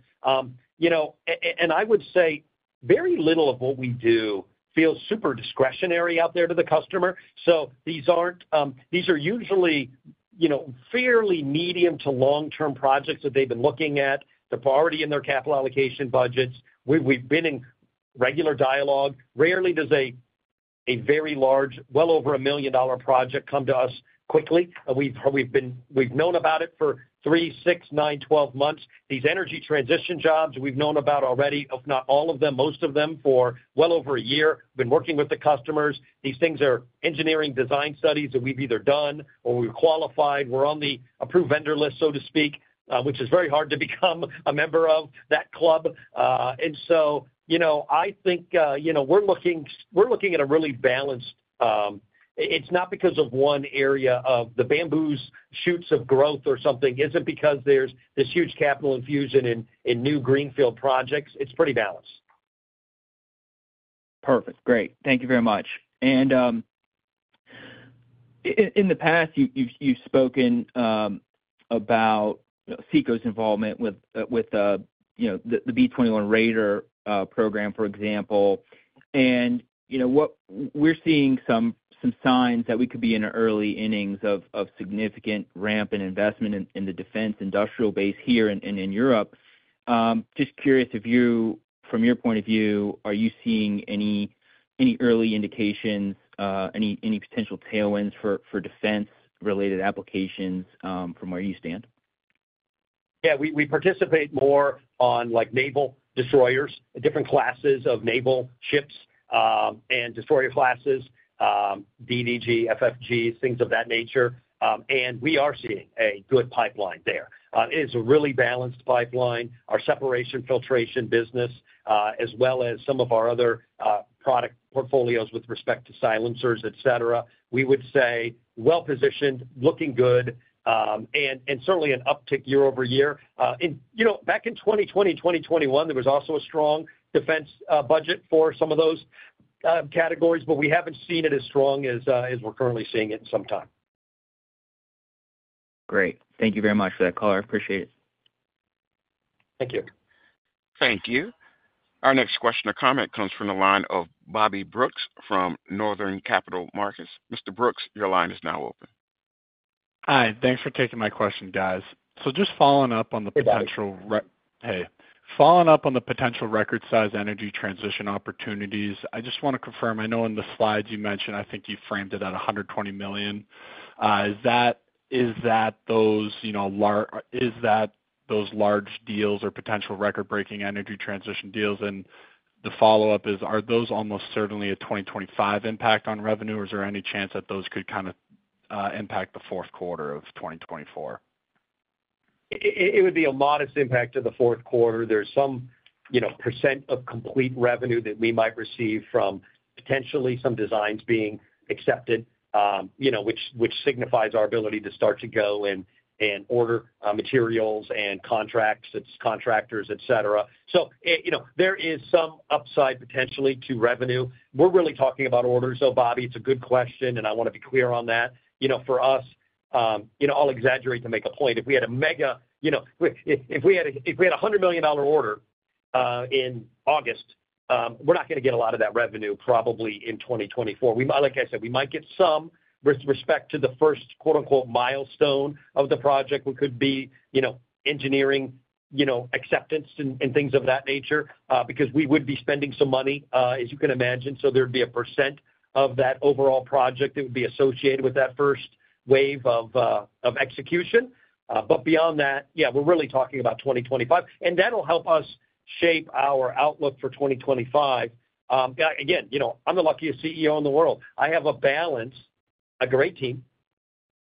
You know, and I would say very little of what we do feels super discretionary out there to the customer. So these aren't. These are usually, you know, fairly medium to long-term projects that they've been looking at. They're already in their capital allocation budgets. We've been in regular dialogue. Rarely does a very large, well over a million-dollar project come to us quickly. We've known about it for 3, 6, 9, 12 months. These energy transition jobs, we've known about already, if not all of them, most of them, for well over a year. Been working with the customers. These things are engineering design studies that we've either done or we've qualified. We're on the approved vendor list, so to speak, which is very hard to become a member of that club. And so, you know, I think, you know, we're looking—we're looking at a really balanced... It's not because of one area of the bamboo shoots of growth or something. It isn't because there's this huge capital infusion in new greenfield projects. It's pretty balanced. Perfect. Great. Thank you very much. And, in the past, you've spoken about CECO's involvement with, you know, the B-21 Raider program, for example. And, you know, we're seeing some signs that we could be in the early innings of significant ramp in investment in the defense industrial base here and in Europe. Just curious if you, from your point of view, are you seeing any early indications, any potential tailwinds for defense-related applications, from where you stand? Yeah, we participate more on, like, naval destroyers, different classes of naval ships, and destroyer classes, DDG, FFG, things of that nature. And we are seeing a good pipeline there. It is a really balanced pipeline. Our separation filtration business, as well as some of our other product portfolios with respect to silencers, et cetera, we would say well-positioned, looking good, and certainly an uptick year-over-year. And, you know, back in 2020, 2021, there was also a strong defense budget for some of those categories, but we haven't seen it as strong as we're currently seeing it in some time. Great. Thank you very much for that color. Appreciate it. Thank you. Thank you. Our next question or comment comes from the line of Bobby Brooks from Northland Capital Markets. Mr. Brooks, your line is now open. Hi. Thanks for taking my question, guys. So just following up on the potential re- Hey, Bobby. Hey. Following up on the potential record-size energy transition opportunities, I just want to confirm. I know in the slides you mentioned, I think you framed it at $120 million. Is that, is that those, you know, large deals or potential record-breaking energy transition deals? And the follow-up is, are those almost certainly a 2025 impact on revenue, or is there any chance that those could kind of impact the fourth quarter of 2024? It would be a modest impact to the fourth quarter. There's some, you know, percent of complete revenue that we might receive from potentially some designs being accepted, you know, which signifies our ability to start to go and order materials and contracts, it's contractors, et cetera. So, you know, there is some upside potentially to revenue. We're really talking about orders, though, Bobby. It's a good question, and I want to be clear on that. You know, for us, you know, I'll exaggerate to make a point. If we had a mega order, you know, if we had a $100 million order in August, we're not gonna get a lot of that revenue probably in 2024. Like I said, we might get some with respect to the first, quote-unquote, "milestone" of the project, which could be, you know, engineering, you know, acceptance and things of that nature, because we would be spending some money, as you can imagine. So there'd be a percent of that overall project that would be associated with that first wave of execution. But beyond that, yeah, we're really talking about 2025, and that'll help us shape our outlook for 2025. Again, you know, I'm the luckiest CEO in the world. I have a balance, a great team,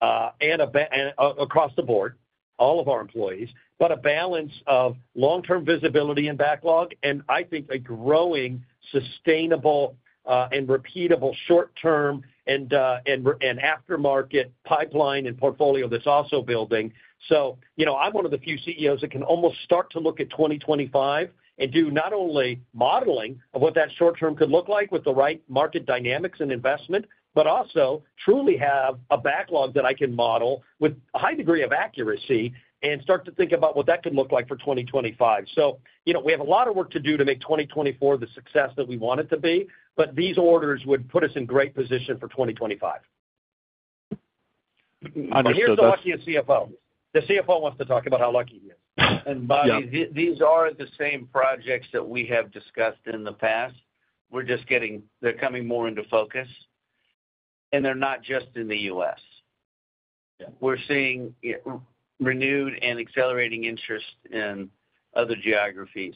and a balance across the board, all of our employees, but a balance of long-term visibility and backlog, and I think a growing sustainable and repeatable short term and aftermarket pipeline and portfolio that's also building. So, you know, I'm one of the few CEOs that can almost start to look at 2025 and do not only modeling of what that short term could look like with the right market dynamics and investment, but also truly have a backlog that I can model with a high degree of accuracy and start to think about what that could look like for 2025. So, you know, we have a lot of work to do to make 2024 the success that we want it to be, but these orders would put us in great position for 2025. Understood, that's- But here's the luckiest CFO. The CFO wants to talk about how lucky he is. Yeah. Bobby, these are the same projects that we have discussed in the past. We're just getting—they're coming more into focus, and they're not just in the US. Yeah. We're seeing renewed and accelerating interest in other geographies,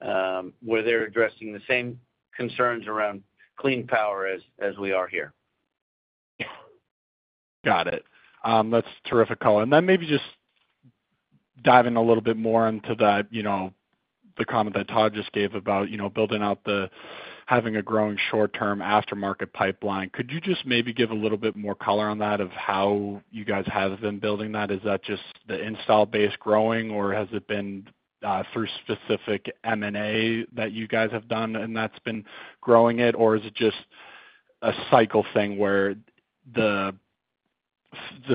where they're addressing the same concerns around clean power as we are here.... Got it. That's terrific color. And then maybe just dive in a little bit more into the, you know, the comment that Todd just gave about, you know, building out the-- having a growing short-term aftermarket pipeline. Could you just maybe give a little bit more color on that, of how you guys have been building that? Is that just the install base growing, or has it been through specific M&A that you guys have done and that's been growing it? Or is it just a cycle thing where the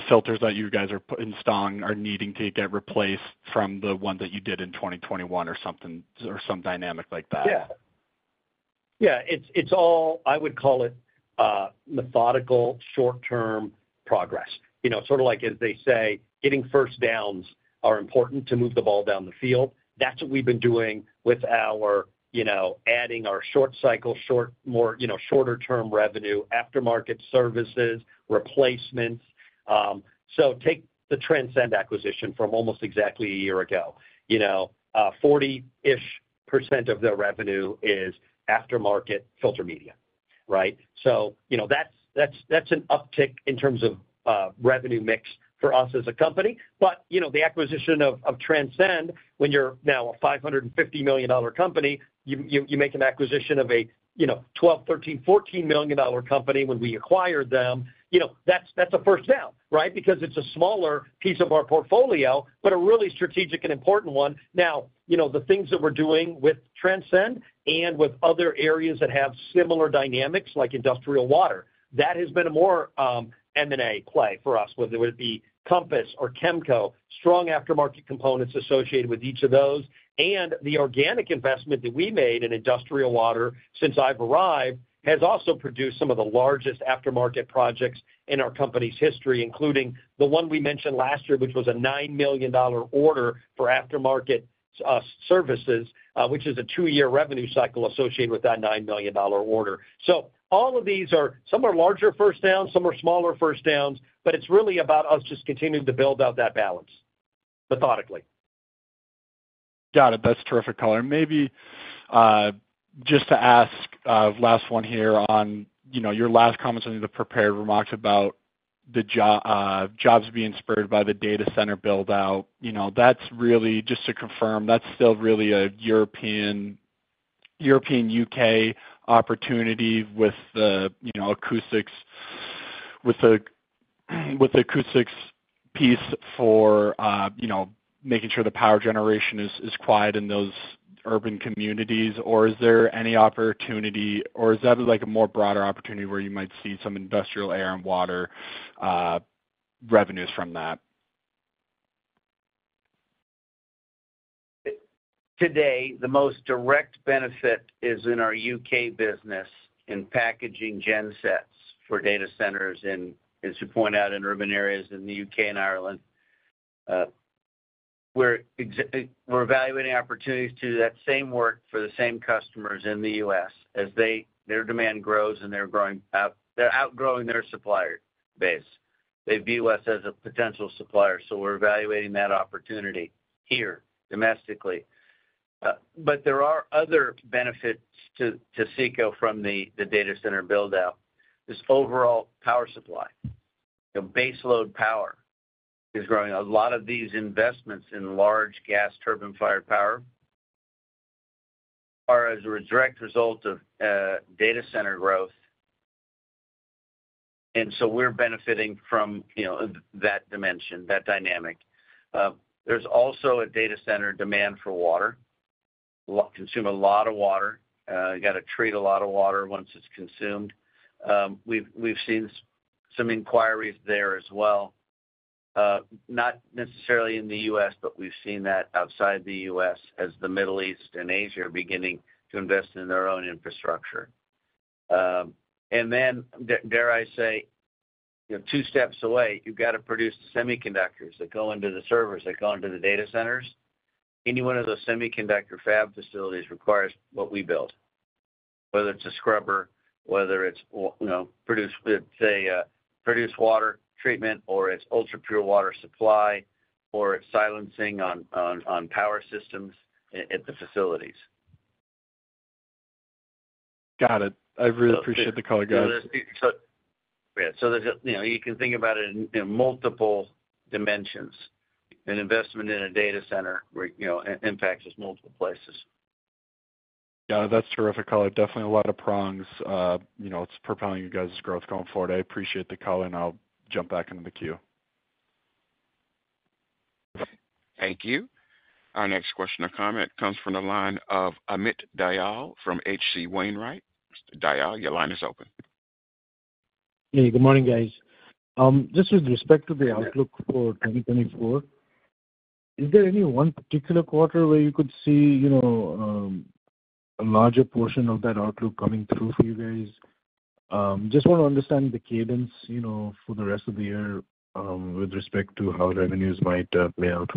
filters that you guys are installing are needing to get replaced from the one that you did in 2021 or something, or some dynamic like that? Yeah. Yeah, it's, it's all, I would call it, methodical, short-term progress. You know, sort of like, as they say, getting first downs are important to move the ball down the field. That's what we've been doing with our, you know, adding our short cycle, short, more, you know, shorter-term revenue, aftermarket services, replacements. So take the Transcend acquisition from almost exactly a year ago. You know, 40-ish% of their revenue is aftermarket filter media, right? So, you know, that's, that's, that's an uptick in terms of, revenue mix for us as a company. But, you know, the acquisition of, of Transcend, when you're now a $550 million company, you, you, you make an acquisition of a, you know, $12-$14 million company when we acquired them. You know, that's, that's a first down, right? Because it's a smaller piece of our portfolio, but a really strategic and important one. Now, you know, the things that we're doing with Transcend and with other areas that have similar dynamics, like industrial water, that has been a more M&A play for us, whether it be Compass or Kemco. Strong aftermarket components associated with each of those. And the organic investment that we made in industrial water since I've arrived, has also produced some of the largest aftermarket projects in our company's history, including the one we mentioned last year, which was a $9 million order for aftermarket services, which is a two-year revenue cycle associated with that $9 million order. So all of these are, some are larger first downs, some are smaller first downs, but it's really about us just continuing to build out that balance methodically. Got it. That's terrific color. And maybe, just to ask, last one here on, you know, your last comments on the prepared remarks about the jobs being spurred by the data center build-out. You know, that's really... Just to confirm, that's still really a European, European U.K. opportunity with the, you know, acoustics, with the acoustics piece for, you know, making sure the power generation is quiet in those urban communities. Or is there any opportunity, or is that, like, a more broader opportunity where you might see some industrial air and water revenues from that? Today, the most direct benefit is in our U.K. business, in packaging gen sets for data centers and, as you point out, in urban areas in the U.K. and Ireland. We're evaluating opportunities to do that same work for the same customers in the U.S. as their demand grows and they're outgrowing their supplier base. They view us as a potential supplier, so we're evaluating that opportunity here domestically. But there are other benefits to CECO from the data center build-out. This overall power supply, the baseload power is growing. A lot of these investments in large gas turbine fired power are as a direct result of data center growth, and so we're benefiting from, you know, that dimension, that dynamic. There's also a data center demand for water. They consume a lot of water. You got to treat a lot of water once it's consumed. We've seen some inquiries there as well. Not necessarily in the U.S., but we've seen that outside the U.S. as the Middle East and Asia are beginning to invest in their own infrastructure. And then dare I say, you know, two steps away, you've got to produce the semiconductors that go into the servers, that go into the data centers. Any one of those semiconductor fab facilities requires what we build, whether it's a scrubber, whether it's, or, you know, produce, say, a produced water treatment, or it's ultra-pure water supply, or it's silencing on power systems at the facilities. Got it. I really appreciate the color, guys. So, yeah, so there's, you know, you can think about it in, in multiple dimensions, an investment in a data center where, you know, impacts multiple places. Yeah, that's terrific color. Definitely a lot of prongs, you know, it's propelling you guys' growth going forward. I appreciate the color, and I'll jump back into the queue. Thank you. Our next question or comment comes from the line of Amit Dayal from H.C. Wainwright. Mr. Dayal, your line is open. Hey, good morning, guys. Just with respect to the outlook for 2024, is there any one particular quarter where you could see, you know, a larger portion of that outlook coming through for you guys? Just want to understand the cadence, you know, for the rest of the year, with respect to how revenues might play out.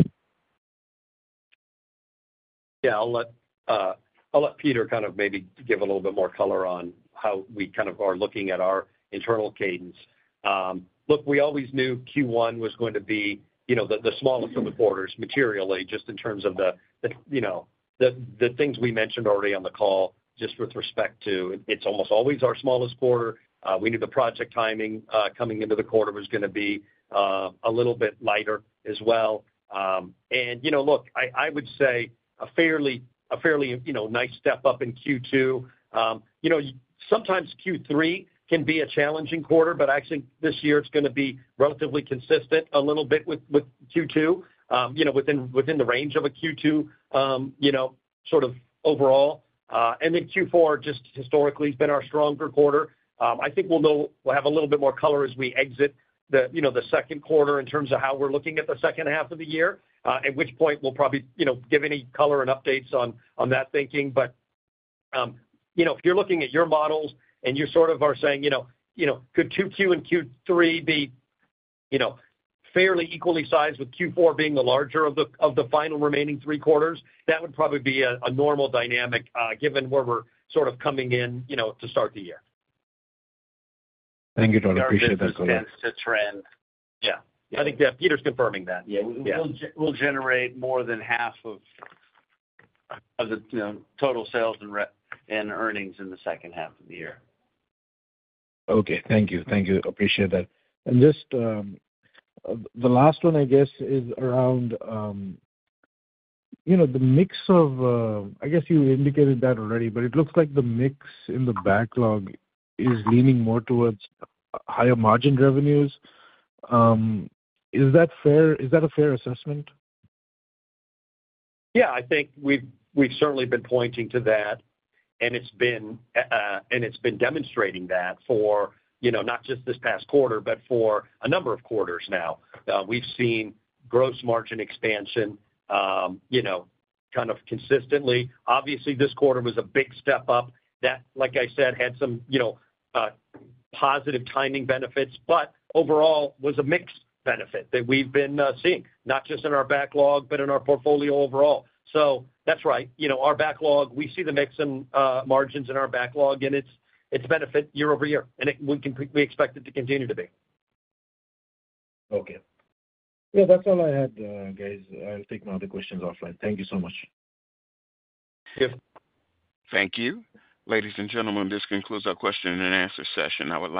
Yeah, I'll let, I'll let Peter kind of maybe give a little bit more color on how we kind of are looking at our internal cadence. Look, we always knew Q1 was going to be, you know, the, the smallest of the quarters materially, just in terms of the, the, you know, the, the things we mentioned already on the call, just with respect to it's almost always our smallest quarter. We knew the project timing coming into the quarter was gonna be a little bit lighter as well. And, you know, look, I would say a fairly, you know, nice step up in Q2. You know, sometimes Q3 can be a challenging quarter, but actually this year it's gonna be relatively consistent a little bit with Q2, you know, within the range of a Q2, you know, sort of overall. And then Q4 just historically has been our stronger quarter. I think we'll have a little bit more color as we exit the, you know, the second quarter in terms of how we're looking at the second half of the year, at which point we'll probably, you know, give any color and updates on that thinking. But, you know, if you're looking at your models and you sort of are saying, you know, you know, could Q2 and Q3 be, you know, fairly equally sized, with Q4 being the larger of the final remaining three quarters, that would probably be a normal dynamic, given where we're sort of coming in, you know, to start the year. Thank you, Todd. I appreciate that. Business tends to trend. Yeah. I think that Peter's confirming that. Yeah. We'll generate more than half of the, you know, total sales and earnings in the second half of the year. Okay. Thank you. Thank you. Appreciate that. And just, the last one, I guess, is around, you know, the mix of... I guess you indicated that already, but it looks like the mix in the backlog is leaning more towards higher margin revenues. Is that fair? Is that a fair assessment? Yeah, I think we've, we've certainly been pointing to that, and it's been, and it's been demonstrating that for, you know, not just this past quarter, but for a number of quarters now. We've seen gross margin expansion, you know, kind of consistently. Obviously, this quarter was a big step up. That, like I said, had some, you know, positive timing benefits, but overall was a mixed benefit that we've been, seeing, not just in our backlog, but in our portfolio overall. So that's right. You know, our backlog, we see the mix in, margins in our backlog, and it's, it's a benefit year over year, and we expect it to continue to be. Okay. Yeah, that's all I had, guys. I'll take my other questions offline. Thank you so much. Yeah. Thank you. Ladies and gentlemen, this concludes our question-and-answer session. Now I'd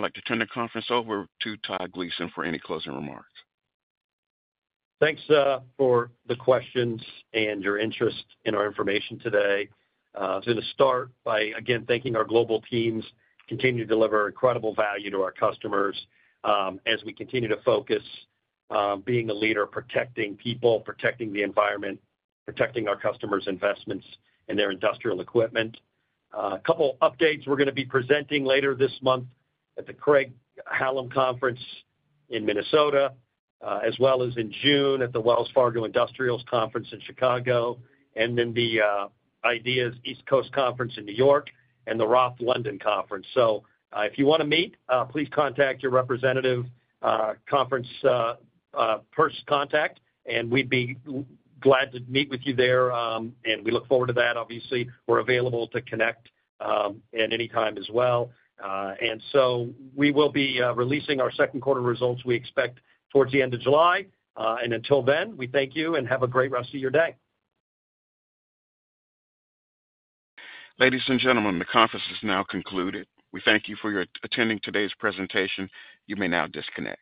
like to turn the conference over to Todd Gleason for any closing remarks. Thanks for the questions and your interest in our information today. So to start by again thanking our global teams continue to deliver incredible value to our customers as we continue to focus being a leader protecting people protecting the environment protecting our customers' investments and their industrial equipment. A couple updates we're gonna be presenting later this month at the Craig-Hallum Conference in Minnesota as well as in June at the Wells Fargo Industrials Conference in Chicago, and then the IDEAS East Coast Conference in New York and the Roth London Conference. So if you wanna meet please contact your representative conference your contact and we'd be glad to meet with you there and we look forward to that. Obviously we're available to connect at any time as well. So we will be releasing our second quarter results, we expect, towards the end of July. Until then, we thank you and have a great rest of your day. Ladies and gentlemen, the conference is now concluded. We thank you for your attending today's presentation. You may now disconnect.